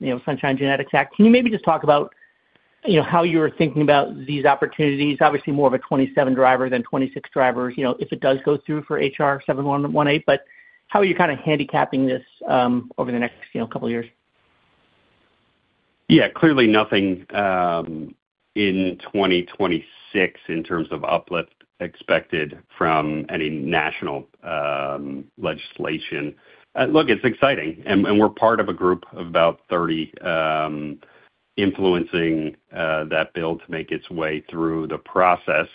you know, Sunshine Genetics Act. Can you maybe just talk about, you know, how you are thinking about these opportunities? Obviously, more of a 2027 driver than 2026 drivers, you know, if it does go through for H.R. 7118. How are you kind of handicapping this over the next, you know, couple of years? Yeah. Clearly nothing in 2026 in terms of uplift expected from any national legislation. Look, it's exciting, and we're part of a group of about 30 influencing that bill to make its way through the process.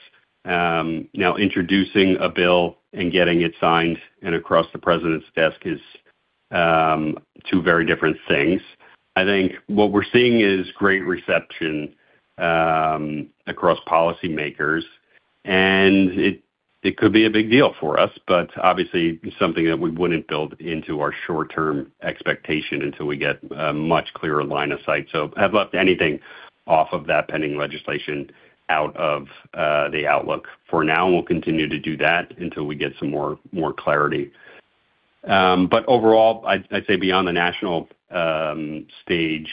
Now, introducing a bill and getting it signed and across the president's desk is two very different things. I think what we're seeing is great reception across policymakers, and it, it could be a big deal for us, but obviously something that we wouldn't build into our short-term expectation until we get a much clearer line of sight. Have left anything off of that pending legislation out of the outlook. For now, we'll continue to do that until we get some more, more clarity. Overall, I, I'd say beyond the national stage,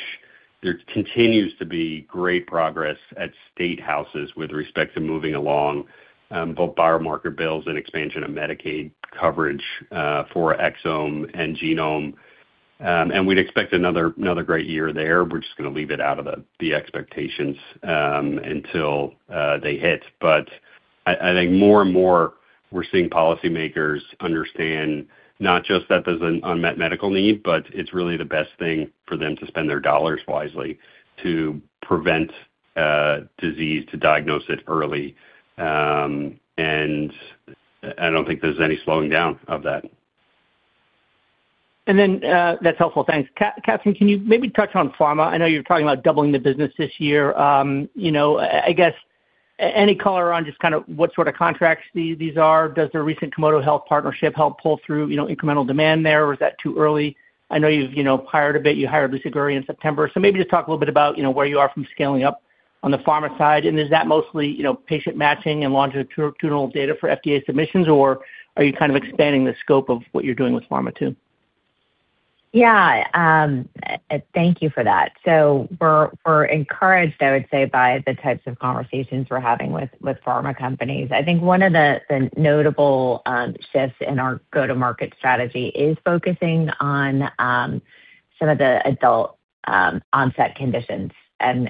there continues to be great progress at state houses with respect to moving along, both biomarker bills and expansion of Medicaid coverage for exome and genome. We'd expect another, another great year there. We're just gonna leave it out of the, the expectations until they hit. I, I think more and more we're seeing policymakers understand not just that there's an unmet medical need, but it's really the best thing for them to spend their dollars wisely, to prevent disease, to diagnose it early. I don't think there's any slowing down of that. That's helpful. Thanks. Katherine, can you maybe touch on pharma? I know you're talking about doubling the business this year. You know, I, I guess any color on just kind of what sort of contracts these, these are? Does the recent Komodo Health partnership help pull through, you know, incremental demand there, or is that too early? I know you've, you know, hired a bit. You hired Lisa Gurry in September. So maybe just talk a little bit about, you know, where you are from scaling up on the pharma side. Is that mostly, you know, patient matching and longitudinal data for FDA submissions, or are you kind of expanding the scope of what you're doing with pharma, too? Yeah, thank you for that. We're, we're encouraged, I would say, by the types of conversations we're having with, with pharma companies. I think one of the, the notable shifts in our go-to-market strategy is focusing on some of the adult onset conditions.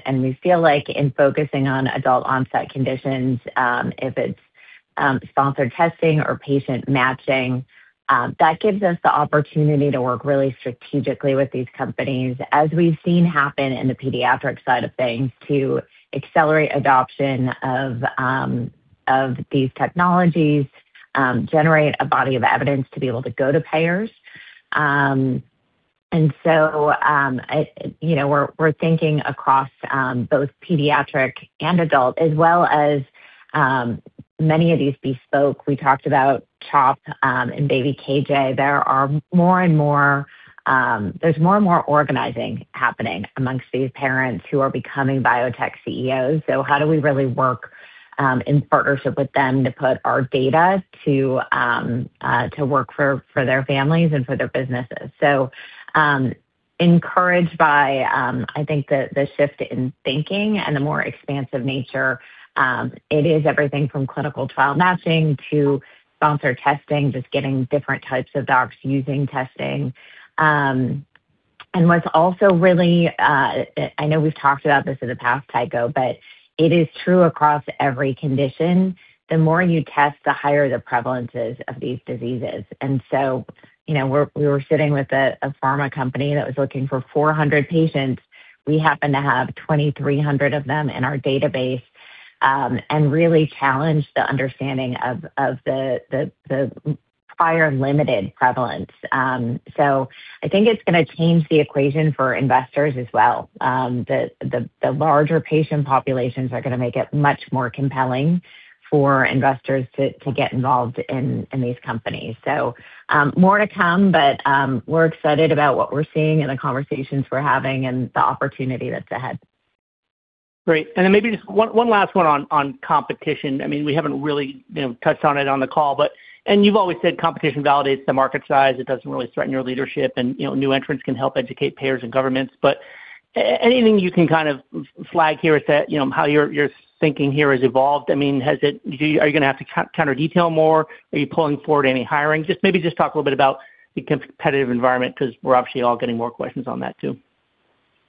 We feel like in focusing on adult onset conditions, if it's sponsored testing or patient matching, that gives us the opportunity to work really strategically with these companies, as we've seen happen in the pediatric side of things, to accelerate adoption of these technologies, generate a body of evidence to be able to go to payers. So, you know, we're, we're thinking across both pediatric and adult, as well as many of these bespoke. We talked about CHOP and baby KJ. There are more and more, there's more and more organizing happening amongst these parents who are becoming biotech CEOs. How do we really work in partnership with them to put our data to work for their families and for their businesses? Encouraged by, I think the, the shift in thinking and the more expansive nature, it is everything from clinical trial matching to sponsor testing, just getting different types of docs using testing. What's also really, I know we've talked about this in the past, Tycho, but it is true across every condition: the more you test, the higher the prevalences of these diseases. You know, we're- we were sitting with a, a pharma company that was looking for 400 patients. We happen to have 2,300 of them in our database, and really challenged the understanding of, of the, the, the prior limited prevalence. I think it's gonna change the equation for investors as well. The, the, the larger patient populations are gonna make it much more compelling for investors to, to get involved in, in these companies. More to come, we're excited about what we're seeing and the conversations we're having and the opportunity that's ahead. Great. Then maybe just one, one last one on, on competition. I mean, we haven't really, you know, touched on it on the call, but. You've always said competition validates the market size. It doesn't really threaten your leadership, and, you know, new entrants can help educate payers and governments. Anything you can kind of flag here is that, you know, how your, your thinking here has evolved? I mean, are you gonna have to counter detail more? Are you pulling forward any hiring? Just maybe just talk a little bit about the competitive environment, 'cause we're obviously all getting more questions on that, too.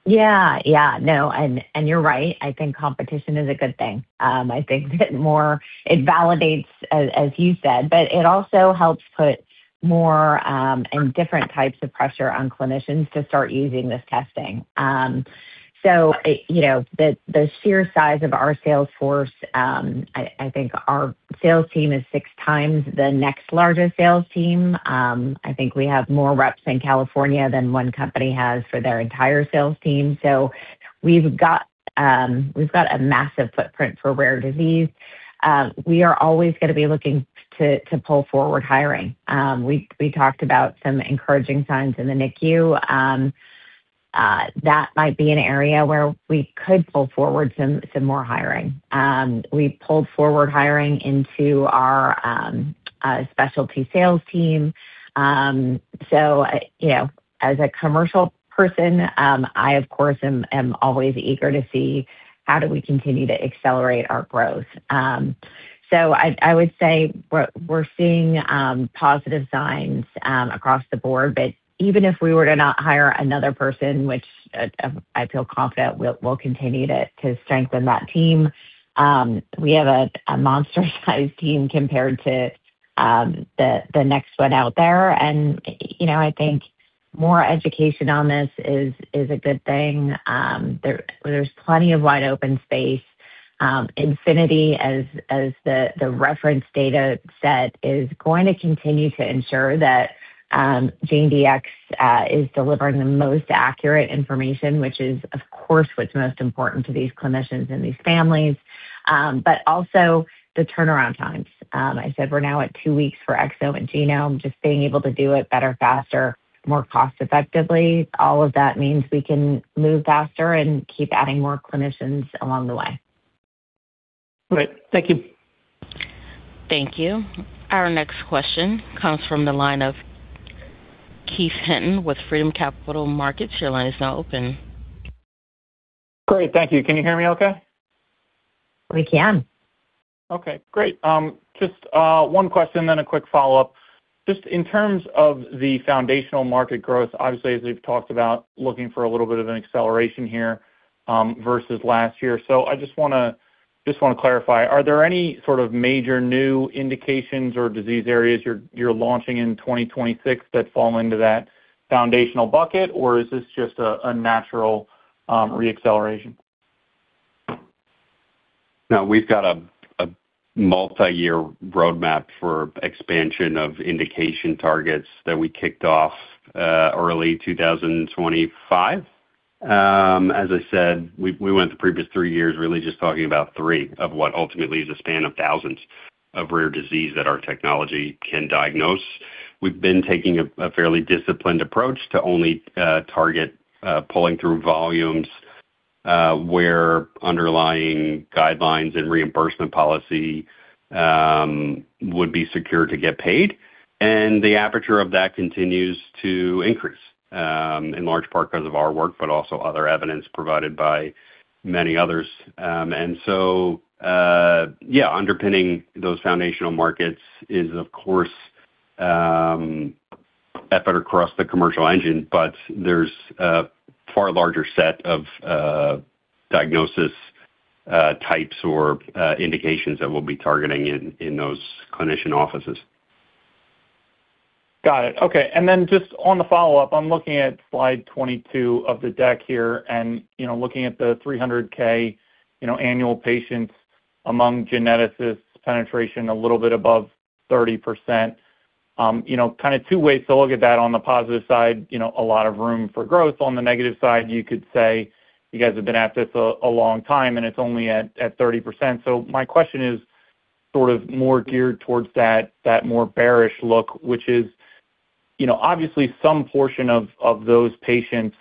Yeah. Yeah. No, you're right. I think competition is a good thing. I think that more it validates, as you said, but it also helps put more and different types of pressure on clinicians to start using this testing. It, you know, the sheer size of our sales force, I think our sales team is six times the next largest sales team. I think we have more reps in California than one company has for their entire sales team. We've got a massive footprint for rare disease. We are always gonna be looking to pull forward hiring. We talked about some encouraging signs in the NICU. That might be an area where we could pull forward some more hiring. We pulled forward hiring into our specialty sales team. You know, as a commercial person, I, of course, am always eager to see how do we continue to accelerate our growth. I, I would say we're seeing positive signs across the board, but even if we were to not hire another person, which I feel confident we'll continue to strengthen that team, we have a monster-sized team compared to the next one out there. You know, I think more education on this is a good thing. There's plenty of wide-open space. Infinity, as, as the, the reference dataset, is going to continue to ensure that, GeneDx, is delivering the most accurate information, which is, of course, what's most important to these clinicians and these families. Also the turnaround times. I said we're now at two weeks for exome and genome. Just being able to do it better, faster, more cost effectively, all of that means we can move faster and keep adding more clinicians along the way. Great. Thank you. Thank you. Our next question comes from the line of Keith Hinton with Freedom Capital Markets. Your line is now open. Great. Thank you. Can you hear me okay? We can. Okay, great. Just one question, then a quick follow-up. Just in terms of the foundational market growth, obviously, as we've talked about, looking for a little bit of an acceleration here, versus last year. I just wanna, just wanna clarify, are there any sort of major new indications or disease areas you're, you're launching in 2026 that fall into that foundational bucket? Or is this just a, a natural reacceleration? No, we've got a, a multiyear roadmap for expansion of indication targets that we kicked off early 2025. As I said, we, we went the previous three years really just talking about three of what ultimately is a span of thousands of rare disease that our technology can diagnose. We've been taking a, a fairly disciplined approach to only target pulling through volumes where underlying guidelines and reimbursement policy would be secure to get paid, and the aperture of that continues to increase in large part because of our work, but also other evidence provided by many others. And so, yeah, underpinning those foundational markets is, of course, that better cross the commercial engine, but there's a far larger set of diagnosis types or indications that we'll be targeting in, in those clinician offices. Got it. Okay, just on the follow-up, I'm looking at slide 22 of the deck here, you know, looking at the 300K, you know, annual patients among geneticists, penetration a little bit above 30%. You know, kind of two ways to look at that. On the positive side, you know, a lot of room for growth. On the negative side, you could say you guys have been at this a long time, and it's only at 30%. My question is sort of more geared towards that more bearish look, which is, you know, obviously some portion of those patients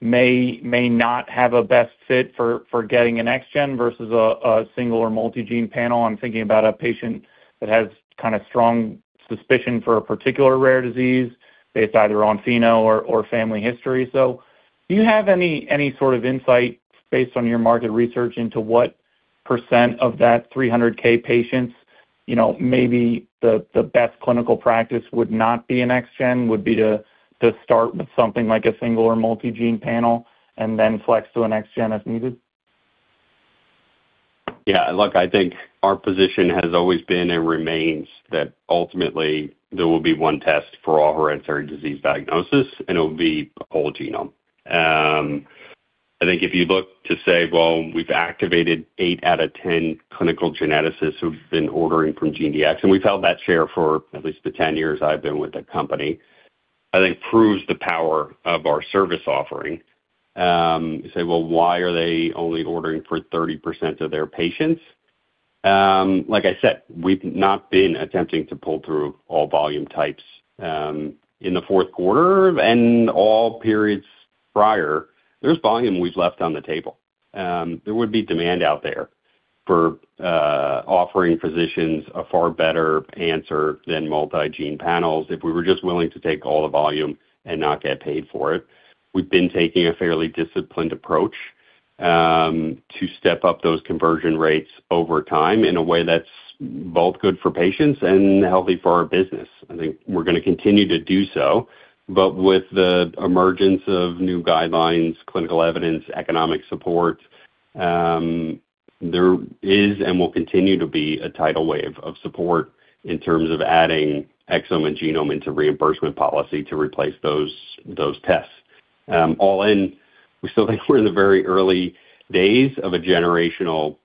may not have a best fit for getting an next-gen versus a single or multi-gene panel. I'm thinking about a patient that has kinda strong suspicion for a particular rare disease. It's either on pheno or, or family history. Do you have any, any sort of insight based on your market research into what percent of that 300K patients, you know, maybe the, the best clinical practice would not be an next-gen, would be to, to start with something like a single gene or multi-gene panel and then flex to a next-gen as needed? Yeah. Look, I think our position has always been and remains that ultimately there will be one test for all hereditary disease diagnosis, and it will be a whole genome. I think if you look to say, well, we've activated 8 out of 10 clinical geneticists who've been ordering from GeneDx, and we've held that share for at least the 10 years I've been with the company, I think proves the power of our service offering. You say, well, why are they only ordering for 30% of their patients? Like I said, we've not been attempting to pull through all volume types in the fourth quarter and all periods prior. There's volume we've left on the table. There would be demand out there for offering physicians a far better answer than multi-gene panels if we were just willing to take all the volume and not get paid for it. We've been taking a fairly disciplined approach to step up those conversion rates over time in a way that's both good for patients and healthy for our business. I think we're gonna continue to do so, but with the emergence of new guidelines, clinical evidence, economic support, there is and will continue to be a tidal wave of support in terms of adding exome and genome into reimbursement policy to replace those, those tests. All in, we still think we're in the very early days of a generational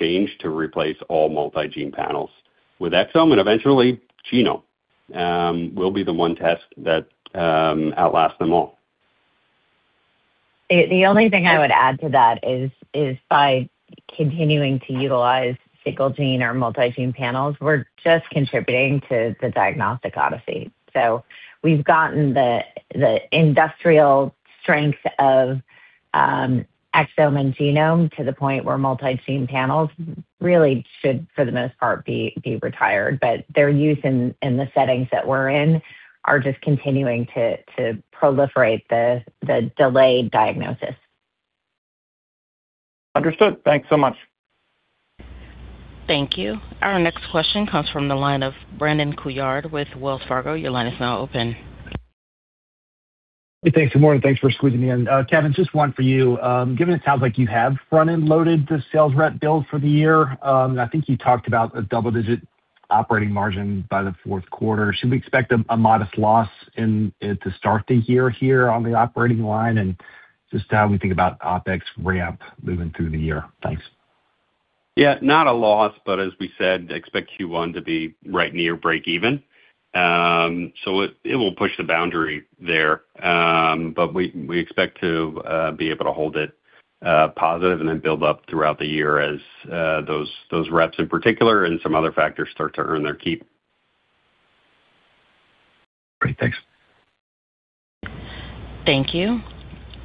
change to replace all multi-gene panels. With exome and eventually genome, we'll be the one test that outlasts them all. The only thing I would add to that is, is by continuing to utilize single gene or multi-gene panels, we're just contributing to the diagnostic odyssey. We've gotten the, the industrial strength of exome and genome to the point where multi-gene panels really should, for the most part, be, be retired. Their use in, in the settings that we're in, are just continuing to, to proliferate the, the delayed diagnosis. Understood. Thanks so much. Thank you. Our next question comes from the line of Brandon Couillard with Wells Fargo. Your line is now open. Hey, thanks. Good morning, thanks for squeezing me in. Kevin, just one for you. Given it sounds like you have front-end loaded the sales rep build for the year, I think you talked about a double-digit operating margin by the fourth quarter. Should we expect a modest loss to start the year here on the operating line? Just how we think about OpEx ramp moving through the year. Thanks. Yeah, not a loss, but as we said, expect Q1 to be right near breakeven. It will push the boundary there. We expect to be able to hold it positive and then build up throughout the year as those reps in particular and some other factors start to earn their keep. Great. Thanks. Thank you.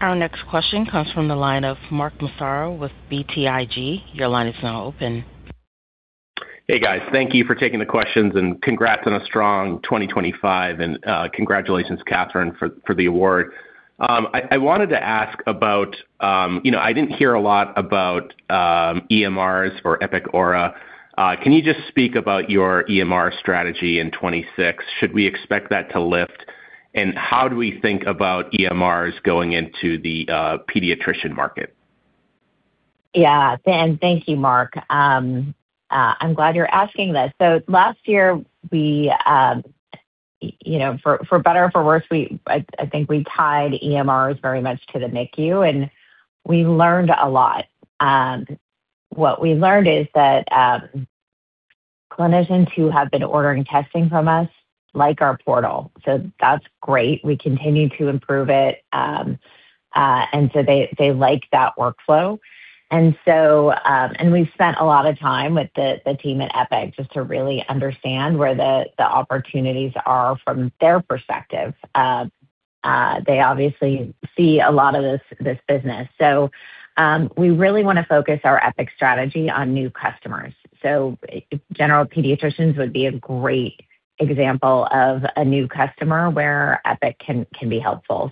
Our next question comes from the line of Mark Massaro with BTIG. Your line is now open. Hey, guys. Thank you for taking the questions, and congrats on a strong 2025, and congratulations, Katherine, for, for the award. I, I wanted to ask about, you know, I didn't hear a lot about EMRs or Epic Aura. Can you just speak about your EMR strategy in 2026? Should we expect that to lift? How do we think about EMRs going into the pediatrician market? Yeah, thank you, Mark. I'm glad you're asking this. Last year, we, you know, for, for better or for worse, I think we tied EMRs very much to the NICU, and we learned a lot. What we learned is that clinicians who have been ordering testing from us, like our portal, so that's great. We continue to improve it. They, they like that workflow. We've spent a lot of time with the, the team at Epic just to really understand where the, the opportunities are from their perspective. They obviously see a lot of this, this business. We really want to focus our Epic strategy on new customers. General pediatricians would be a great example of a new customer where Epic can, can be helpful.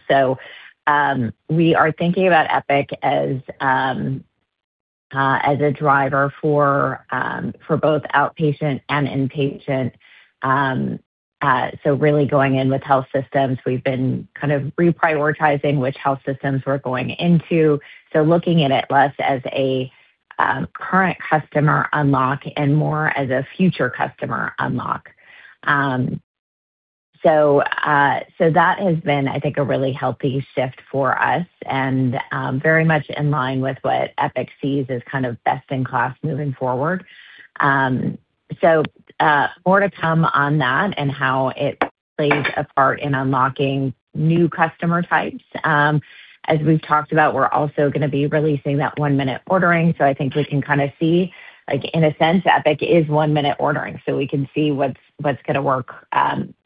We are thinking about Epic as a driver for both outpatient and inpatient. Really going in with health systems, we've been kind of reprioritizing which health systems we're going into. Looking at it less as a current customer unlock and more as a future customer unlock. That has been, I think, a really healthy shift for us and very much in line with what Epic sees as kind of best in class moving forward. More to come on that and how it plays a part in unlocking new customer types. As we've talked about, we're also gonna be releasing that one-minute ordering, so I think we can kind of see, like, in a sense, Epic is one-minute ordering, so we can see what's, what's gonna work,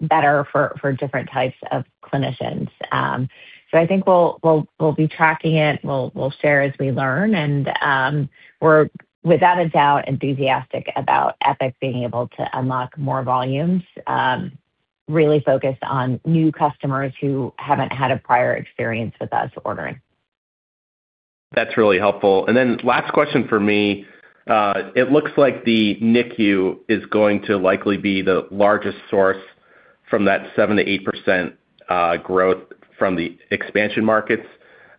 better for, for different types of clinicians. So I think we'll, we'll, we'll be tracking it. We'll, we'll share as we learn, and, we're without a doubt enthusiastic about Epic being able to unlock more volumes, really focused on new customers who haven't had a prior experience with us ordering. That's really helpful. Then last question for me. It looks like the NICU is going to likely be the largest source from that 7%-8% growth from the expansion markets.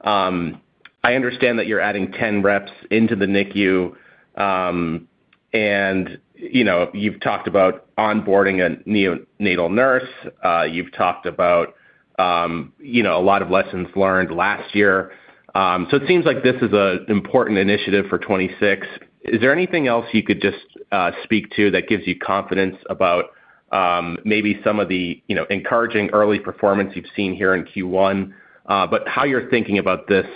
I understand that you're adding 10 reps into the NICU, and, you know, you've talked about onboarding a neonatal nurse. You've talked about, you know, a lot of lessons learned last year. It seems like this is an important initiative for 2026. Is there anything else you could just speak to that gives you confidence about maybe some of the, you know, encouraging early performance you've seen here in Q1, but how you're thinking about this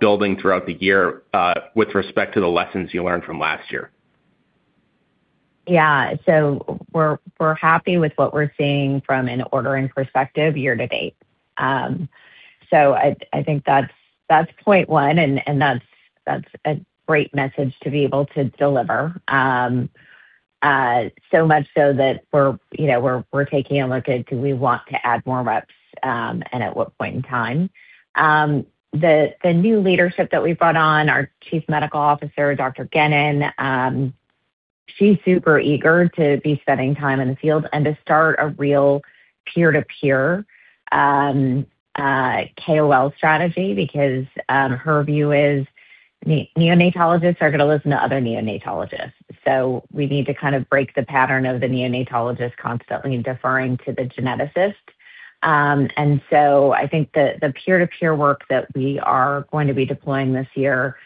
building throughout the year with respect to the lessons you learned from last year? Yeah. So we're, we're happy with what we're seeing from an ordering perspective year to date. I, I think that's, that's point one, and, and that's, that's a great message to be able to deliver. So much so that we're, you know, we're, we're taking a look at do we want to add more reps, and at what point in time? The, the new leadership that we brought on, our Chief Medical Officer, Dr. Genen, she's super eager to be spending time in the field and to start a real peer-to-peer, KOL strategy because, her view is neonatologists are gonna listen to other neonatologists. We need to kind of break the pattern of the neonatologist constantly deferring to the geneticist. I think the, the peer-to-peer work that we are going to be deploying this year,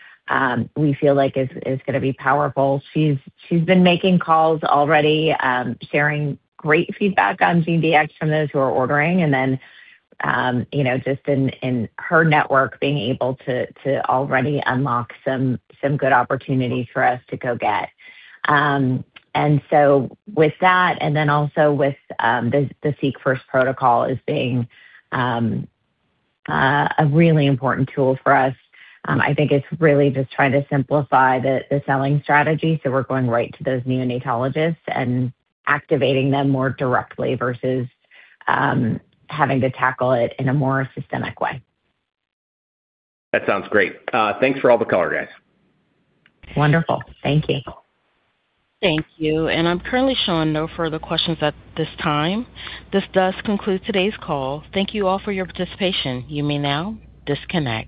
we feel like is, is gonna be powerful. She's, she's been making calls already, sharing great feedback on GeneDx from those who are ordering and then, you know, just in, in her network, being able to, to already unlock some, some good opportunities for us to go get. With that, and then also with, the, the SeqFirst protocol as being, a really important tool for us, I think it's really just trying to simplify the, the selling strategy, so we're going right to those neonatologists and activating them more directly versus, having to tackle it in a more systemic way. That sounds great. Thanks for all the color, guys. Wonderful. Thank you. Thank you. I'm currently showing no further questions at this time. This does conclude today's call. Thank you all for your participation. You may now disconnect.